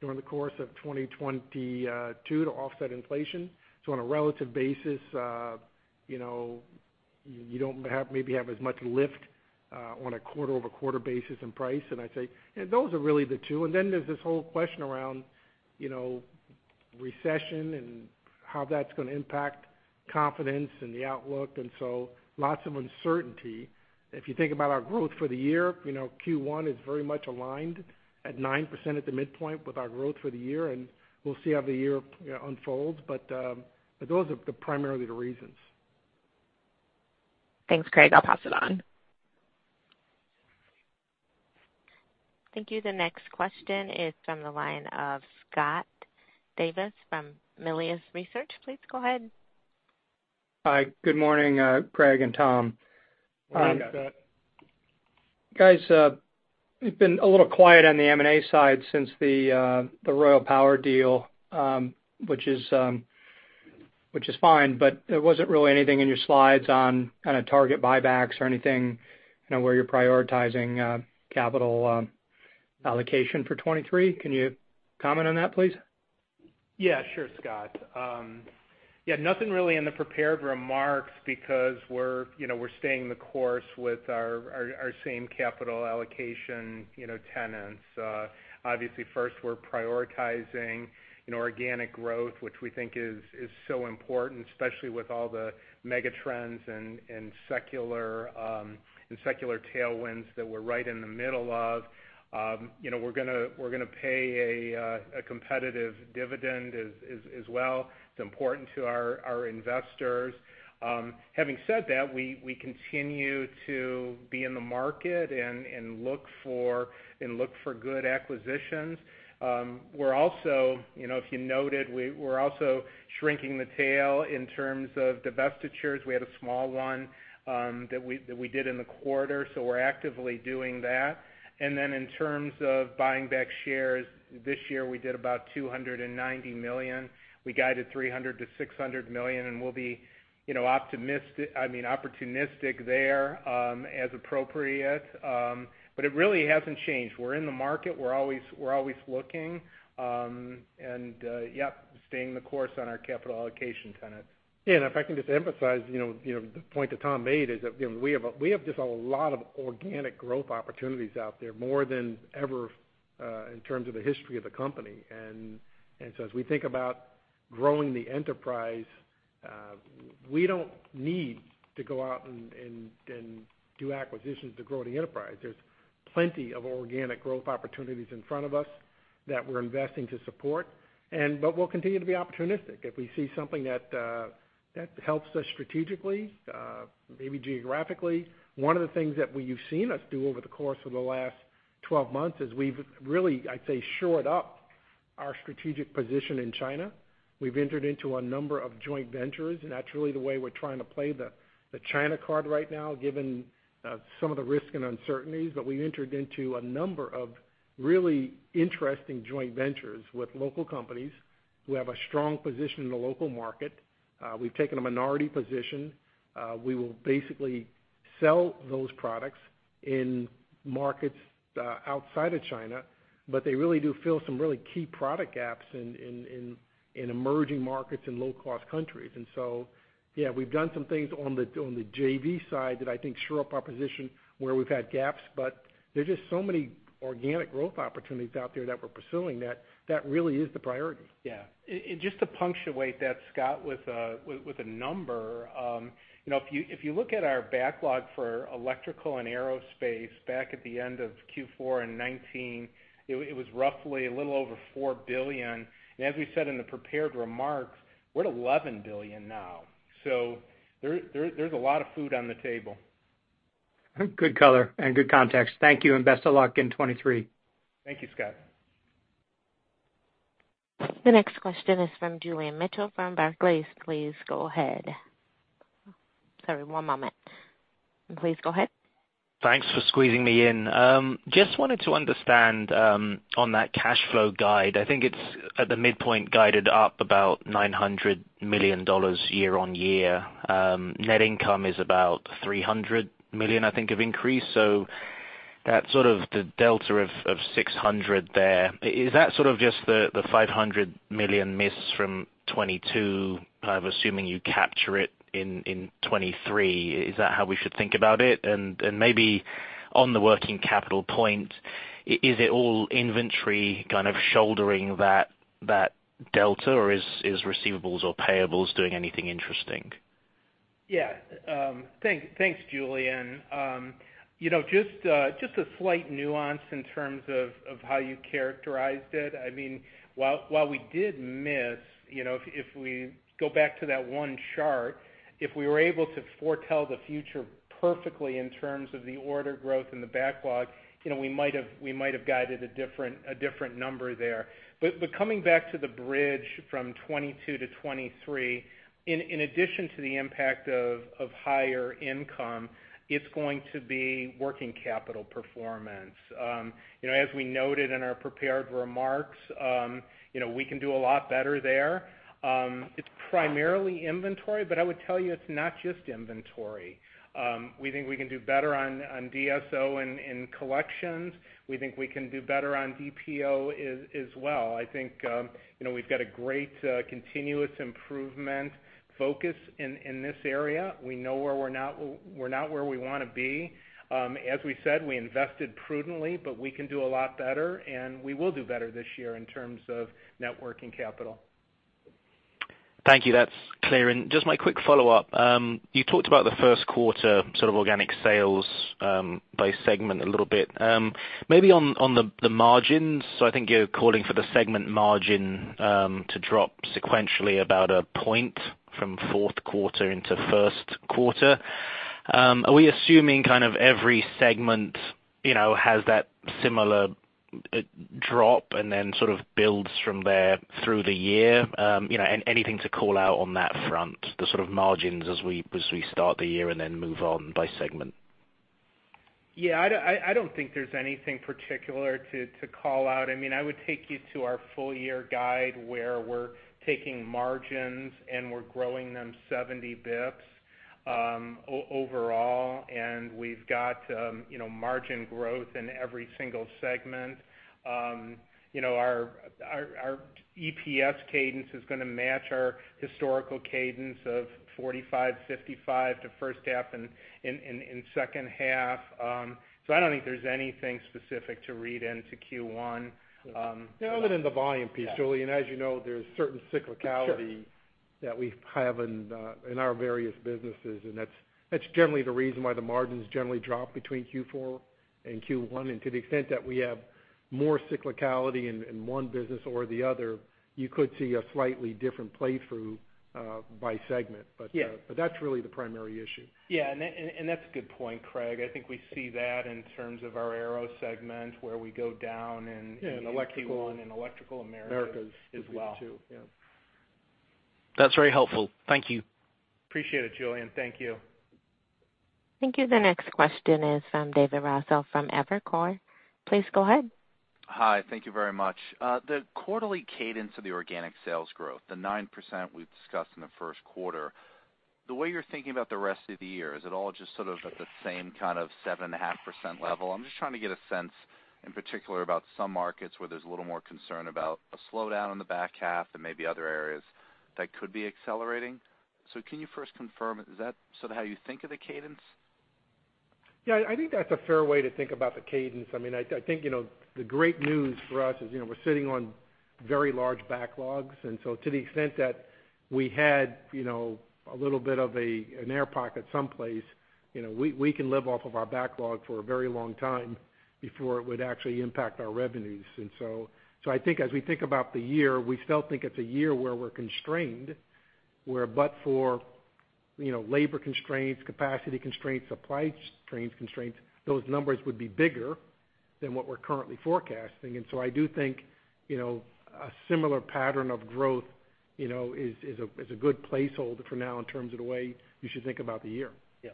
during the course of 2022 to offset inflation. On a relative basis, you know, you maybe have as much lift on a quarter-over-quarter basis in price, and I'd say. You know, those are really the two. Then there's this whole question around, you know, recession and how that's gonna impact confidence and the outlook, and so lots of uncertainty. If you think about our growth for the year, you know, Q1 is very much aligned at 9% at the midpoint with our growth for the year, and we'll see how the year, you know, unfolds. Those are primarily the reasons. Thanks, Craig. I'll pass it on. Thank you. The next question is from the line of Scott Davis from Melius Research. Please go ahead. Hi. Good morning, Craig and Tom. Morning, Scott. Guys, you've been a little quiet on the M&A side since the Royal Power deal, which is fine, but there wasn't really anything in your slides on kinda target buybacks or anything, you know, where you're prioritizing capital allocation for 23. Can you comment on that, please? Sure, Scott. Nothing really in the prepared remarks because we're, you know, we're staying the course with our same capital allocation, you know, tenants. Obviously, first, we're prioritizing, you know, organic growth, which we think is so important, especially with all the mega trends and secular tailwinds that we're right in the middle of. You know, we're gonna pay a competitive dividend as well. It's important to our investors. Having said that, we continue to be in the market and look for good acquisitions. We're also, you know, if you noted, we're also shrinking the tail in terms of divestitures. We had a small one that we did in the quarter, so we're actively doing that. In terms of buying back shares, this year we did about $290 million. We guided $300 million-$600 million, and we'll be, you know, I mean, opportunistic there, as appropriate. It really hasn't changed. We're in the market. We're always looking. Yep, staying the course on our capital allocation tenet. Yeah. If I can just emphasize, you know, the point that Tom made is that, you know, we have just a lot of organic growth opportunities out there, more than ever, in terms of the history of the company. As we think about growing the enterprise, we don't need to go out and do acquisitions to grow the enterprise. There's plenty of organic growth opportunities in front of us that we're investing to support but we'll continue to be opportunistic. If we see something that helps us strategically, maybe geographically. One of the things that you've seen us do over the course of the last 12 months is we've really, I'd say, shored up our strategic position in China, we've entered into a number of joint ventures. That's really the way we're trying to play the China card right now, given some of the risk and uncertainties. We entered into a number of really interesting joint ventures with local companies who have a strong position in the local market. We've taken a minority position. We will basically sell those products in markets outside of China, but they really do fill some really key product gaps in emerging markets in low-cost countries. Yeah, we've done some things on the JV side that I think shore up our position where we've had gaps, but there's just so many organic growth opportunities out there that we're pursuing that really is the priority. Yeah. Just to punctuate that, Scott, with a number. You know, if you look at our backlog for electrical and aerospace back at the end of Q4 in 2019, it was roughly a little over $4 billion. As we said in the prepared remarks, we're at $11 billion now. There's a lot of food on the table. Good color and good context. Thank you, and best of luck in 2023. Thank you, Scott. The next question is from Julian Mitchell from Barclays. Please go ahead. Sorry, one moment. Please, go ahead. Thanks for squeezing me in. just wanted to understand on that cash flow guide, I think it's at the midpoint guided up about $900 million year-over-year. Net income is about $300 million, I think, of increase. That's sort of the delta of $600 there. Is that sort of just the $500 million miss from 2022? I'm assuming you capture it in 2023. Is that how we should think about it? Maybe on the working capital point, is it all inventory kind of shouldering that delta, or is receivables or payables doing anything interesting? Yeah. Thanks, Julian. You know, just a slight nuance in terms of how you characterized it. I mean, while we did miss, you know, if we go back to that one chart, if we were able to foretell the future perfectly in terms of the order growth and the backlog, you know, we might have guided a different number there. Coming back to the bridge from 2022 to 2023, in addition to the impact of higher income, it's going to be working capital performance. You know, as we noted in our prepared remarks, you know, we can do a lot better there. It's primarily inventory, but I would tell you it's not just inventory. We think we can do better on DSO in collections. We think we can do better on DPO as well. I think, you know, we've got a great continuous improvement focus in this area. We know where we're not where we wanna be. As we said, we invested prudently, but we can do a lot better, and we will do better this year in terms of net working capital. Thank you. That's clear. Just my quick follow-up. You talked about the first quarter sort of organic sales by segment a little bit. Maybe on the margins, I think you're calling for the segment margin to drop sequentially about 1 point from fourth quarter into first quarter. Are we assuming kind of every segment, you know, has that similar drop and then sort of builds from there through the year? You know, anything to call out on that front, the sort of margins as we start the year and then move on by segment? Yeah, I don't, I don't think there's anything particular to call out. I mean, I would take you to our full year guide where we're taking margins, and we're growing them 70 bips overall, and we've got, you know, margin growth in every single segment. You know, our EPS cadence is gonna match our historical cadence of 45, 55 to first half in second half. I don't think there's anything specific to read into Q1. Other than the volume piece, Julian. Yeah. As you know, there's certain cyclicality- Sure ...that we have in our various businesses, and that's generally the reason why the margins generally drop between Q4 and Q1. To the extent that we have more cyclicality in one business or the other, you could see a slightly different play through, by segment. Yeah. But that's really the primary issue. Yeah, that's a good point, Craig. I think we see that in terms of our aero segment, where we go down. In electrical in Q1, and Electrical Americas as well. Americas as well too. Yeah. That's very helpful. Thank you. Appreciate it, Julian. Thank you. Thank you. The next question is from David Raso from Evercore. Please go ahead. Hi. Thank you very much. The quarterly cadence of the organic sales growth, the 9% we've discussed in the first quarter, the way you're thinking about the rest of the year, is it all just sort of at the same kind of 7.5% level? I'm just trying to get a sense in particular about some markets where there's a little more concern about a slowdown in the back half and maybe other areas that could be accelerating. Can you first confirm, is that sort of how you think of the cadence? Yeah, I think that's a fair way to think about the cadence. I mean, I think, you know, the great news for us is, you know, we're sitting on very large backlogs. To the extent that we had, you know, a little bit of an air pocket someplace, you know, we can live off of our backlog for a very long time before it would actually impact our revenues. I think as we think about the year, we still think it's a year where we're constrained, where but for you know, labor constraints, capacity constraints, supply strains constraints, those numbers would be bigger than what we're currently forecasting. I do think, you know, a similar pattern of growth, is a good placeholder for now in terms of the way you should think about the year. Yes.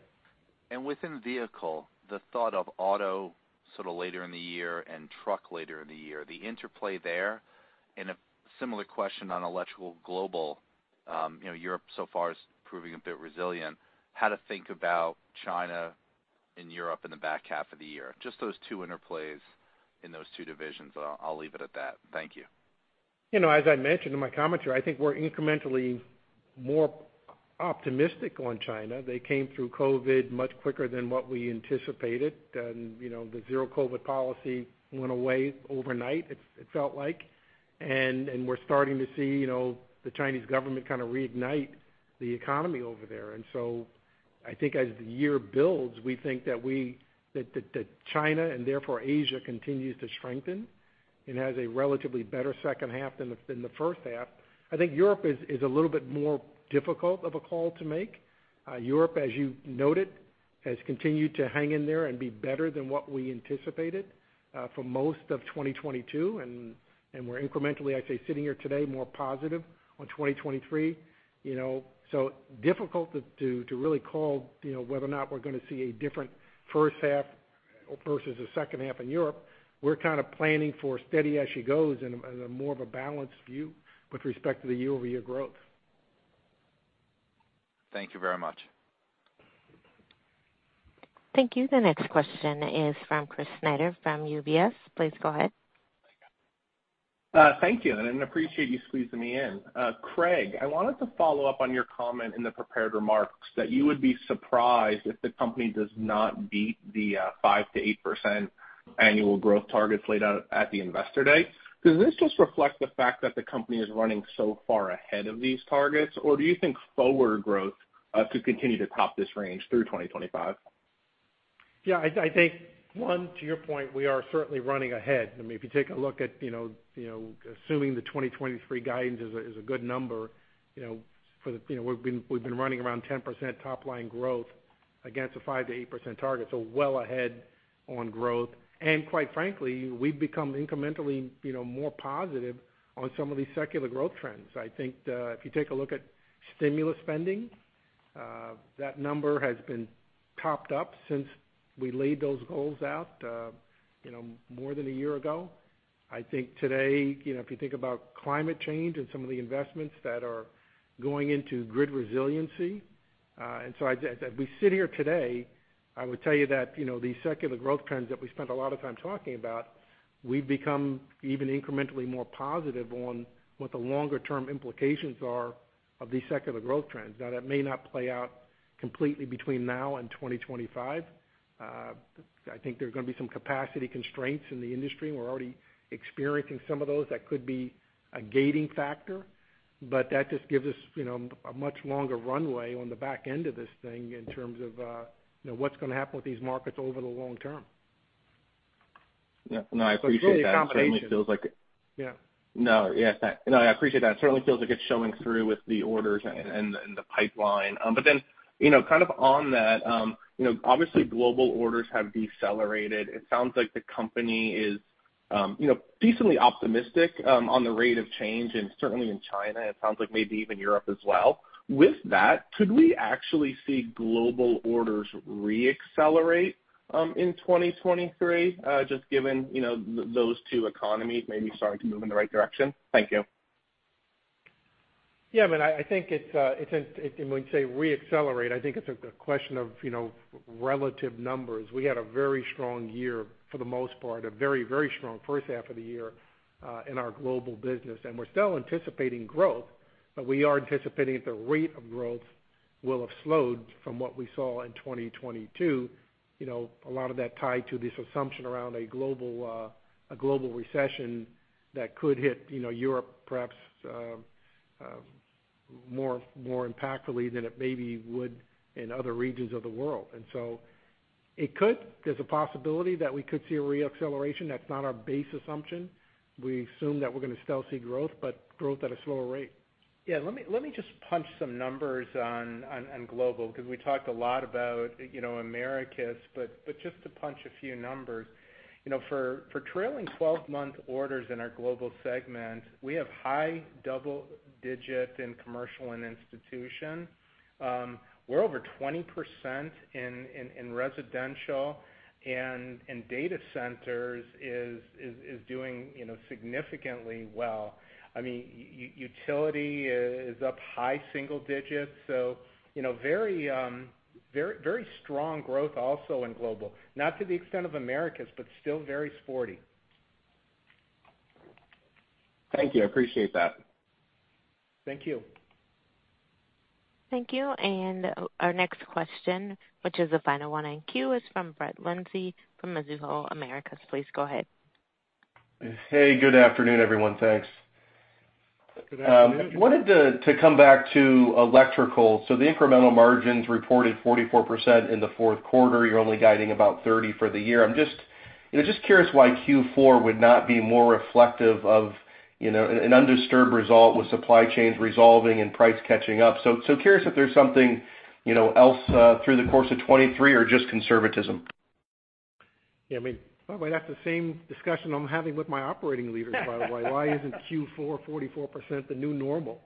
Within vehicle, the thought of auto sort of later in the year and truck later in the year, the interplay there. In a similar question on Electrical Global, you know, Europe so far is proving a bit resilient. How to think about China and Europe in the back half of the year? Just those two interplays in those two divisions. I'll leave it at that. Thank you. You know, as I mentioned in my commentary, I think we're incrementally more optimistic on China. They came through COVID much quicker than what we anticipated. You know, the zero COVID policy went away overnight, it felt like. We're starting to see, you know, the Chinese government kind of reignite the economy over there. I think as the year builds, we think that China and therefore Asia continues to strengthen and has a relatively better second half than the first half. I think Europe is a little bit more difficult of a call to make. Europe, as you noted, has continued to hang in there and be better than what we anticipated, for most of 2022. We're incrementally, I'd say, sitting here today, more positive on 2023, you know. Difficult to really call, you know, whether or not we're gonna see a different first half versus the second half in Europe. We're kind of planning for steady as she goes and a more of a balanced view with respect to the year-over-year growth. Thank you very much. Thank you. The next question is from Chris Snyder from UBS. Please go ahead. Thank you, I appreciate you squeezing me in. Craig, I wanted to follow up on your comment in the prepared remarks that you would be surprised if the company does not beat the 5%-8% annual growth targets laid out at the Investor Day. Does this just reflect the fact that the company is running so far ahead of these targets, or do you think slower growth could continue to top this range through 2025? Yeah, I think, one, to your point, we are certainly running ahead. I mean, if you take a look at, you know, assuming the 2023 guidance is a good number, you know, for the, we've been running around 10% top line growth against a 5%-8% target, so well ahead on growth. Quite frankly, we've become incrementally, you know, more positive on some of these secular growth trends. I think, if you take a look at stimulus spending, that number has been topped up since we laid those goals out, you know, more than a year ago. I think today, you know, if you think about climate change and some of the investments that are going into grid resiliency, as we sit here today, I would tell you that, you know, these secular growth trends that we spent a lot of time talking about, we've become even incrementally more positive on what the longer term implications are of these secular growth trends. That may not play out completely between now and 2025. I think there are gonna be some capacity constraints in the industry. We're already experiencing some of those that could be a gating factor, but that just gives us, you know, a much longer runway on the back end of this thing in terms of, you know, what's gonna happen with these markets over the long term. Yeah, no, I appreciate that. It's really a combination. It certainly feels like it. Yeah. No, yeah. No, I appreciate that. It certainly feels like it's showing through with the orders and the pipeline. You know, kind of on that, you know, obviously global orders have decelerated. It sounds like the company is, you know, decently optimistic on the rate of change, and certainly in China, it sounds like maybe even Europe as well. With that, could we actually see global orders reaccelerate in 2023, just given, you know, those two economies maybe starting to move in the right direction? Thank you. Yeah. I mean, I think it's when you say reaccelerate, I think it's a question of, you know, relative numbers. We had a very strong year for the most part, a very strong first half of the year in our global business, we're still anticipating growth. We are anticipating that the rate of growth will have slowed from what we saw in 2022. You know, a lot of that tied to this assumption around a global recession that could hit, you know, Europe perhaps more impactfully than it maybe would in other regions of the world. It could. There's a possibility that we could see a reacceleration. That's not our base assumption. We assume that we're gonna still see growth, but growth at a slower rate. Yeah. Let me just punch some numbers on global 'cause we talked a lot about, you know, Americas. Just to punch a few numbers. You know, for trailing 12-month orders in our global segment, we have high double-digit in commercial and institution. We're over 20% in residential, and data centers is doing, you know, significantly well. I mean, utility is up high single-digits, so, you know, very, very strong growth also in global, not to the extent of Americas, but still very sporty. Thank you. I appreciate that. Thank you. Thank you. Our next question, which is the final one in queue, is from Brett Linzey from Mizuho Americas. Please go ahead. Hey, good afternoon, everyone. Thanks. Good afternoon. wanted to come back to electrical. The incremental margins reported 44% in the fourth quarter. You're only guiding about 30% for the year. I'm just. You know, just curious why Q4 would not be more reflective of, you know, an undisturbed result with supply chains resolving and price catching up. Curious if there's something, you know, else through the course of 2023 or just conservatism. Yeah, I mean, by the way, that's the same discussion I'm having with my operating leaders, by the way. Why isn't Q4 44% the new normal,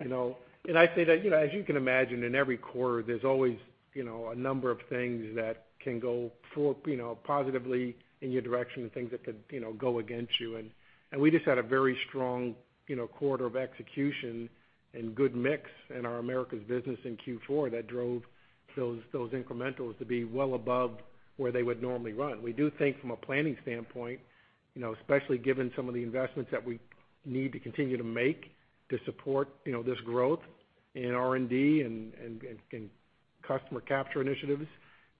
you know? I say that, you know, as you can imagine, in every quarter, there's always, you know, a number of things that can go, you know, positively in your direction and things that could, you know, go against you. We just had a very strong, you know, quarter of execution and good mix in our Americas business in Q4 that drove those incrementals to be well above where they would normally run. We do think from a planning standpoint, you know, especially given some of the investments that we need to continue to make to support, you know, this growth in R&D and customer capture initiatives,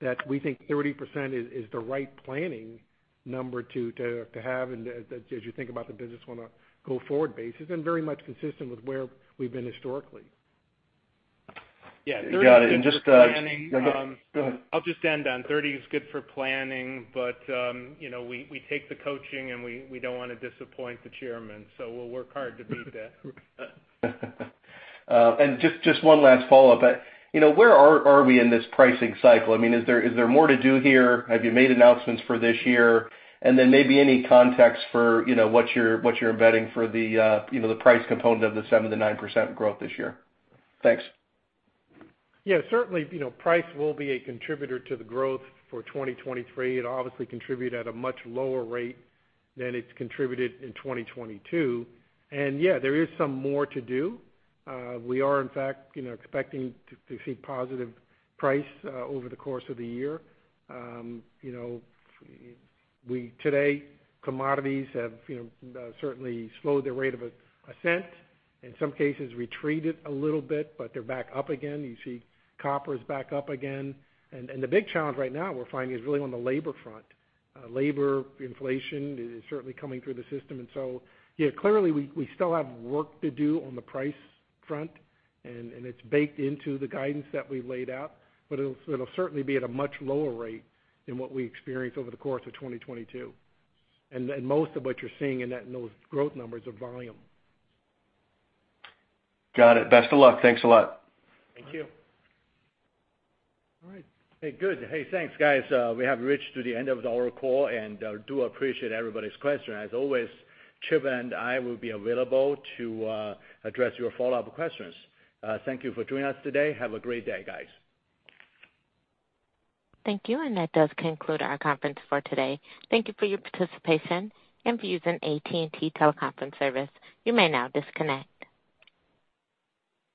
that we think 30% is the right planning number to have and as you think about the business on a go-forward basis, and very much consistent with where we've been historically. Yeah, 30 is good for planning. Got it. Just go ahead. I'll just end on 30 is good for planning, but, you know, we take the coaching and we don't wanna disappoint the chairman, so we'll work hard to beat that. Just one last follow-up. You know, where are we in this pricing cycle? I mean, is there more to do here? Have you made announcements for this year? Maybe any context for, you know, what you're embedding for the, you know, the price component of the 7% to 9% growth this year. Thanks. Yeah, certainly, you know, price will be a contributor to the growth for 2023. It'll obviously contribute at a much lower rate than it's contributed in 2022. Yeah, there is some more to do. We are in fact, you know, expecting to see positive price over the course of the year. You know, today, commodities have, you know, certainly slowed their rate of ascent, in some cases retreated a little bit, but they're back up again. You see copper's back up again. The big challenge right now we're finding is really on the labor front. Labor inflation is certainly coming through the system. Yeah, clearly we still have work to do on the price front, and it's baked into the guidance that we laid out, but it'll certainly be at a much lower rate than what we experienced over the course of 2022. Most of what you're seeing in those growth numbers are volume. Got it. Best of luck. Thanks a lot. Thank you. All right. Hey, good. Hey, thanks, guys. We have reached to the end of our call, and do appreciate everybody's question. As always, Chip and I will be available to address your follow-up questions. Thank you for joining us today. Have a great day, guys. Thank you. That does conclude our conference for today. Thank you for your participation and for using AT&T Teleconference service. You may now disconnect.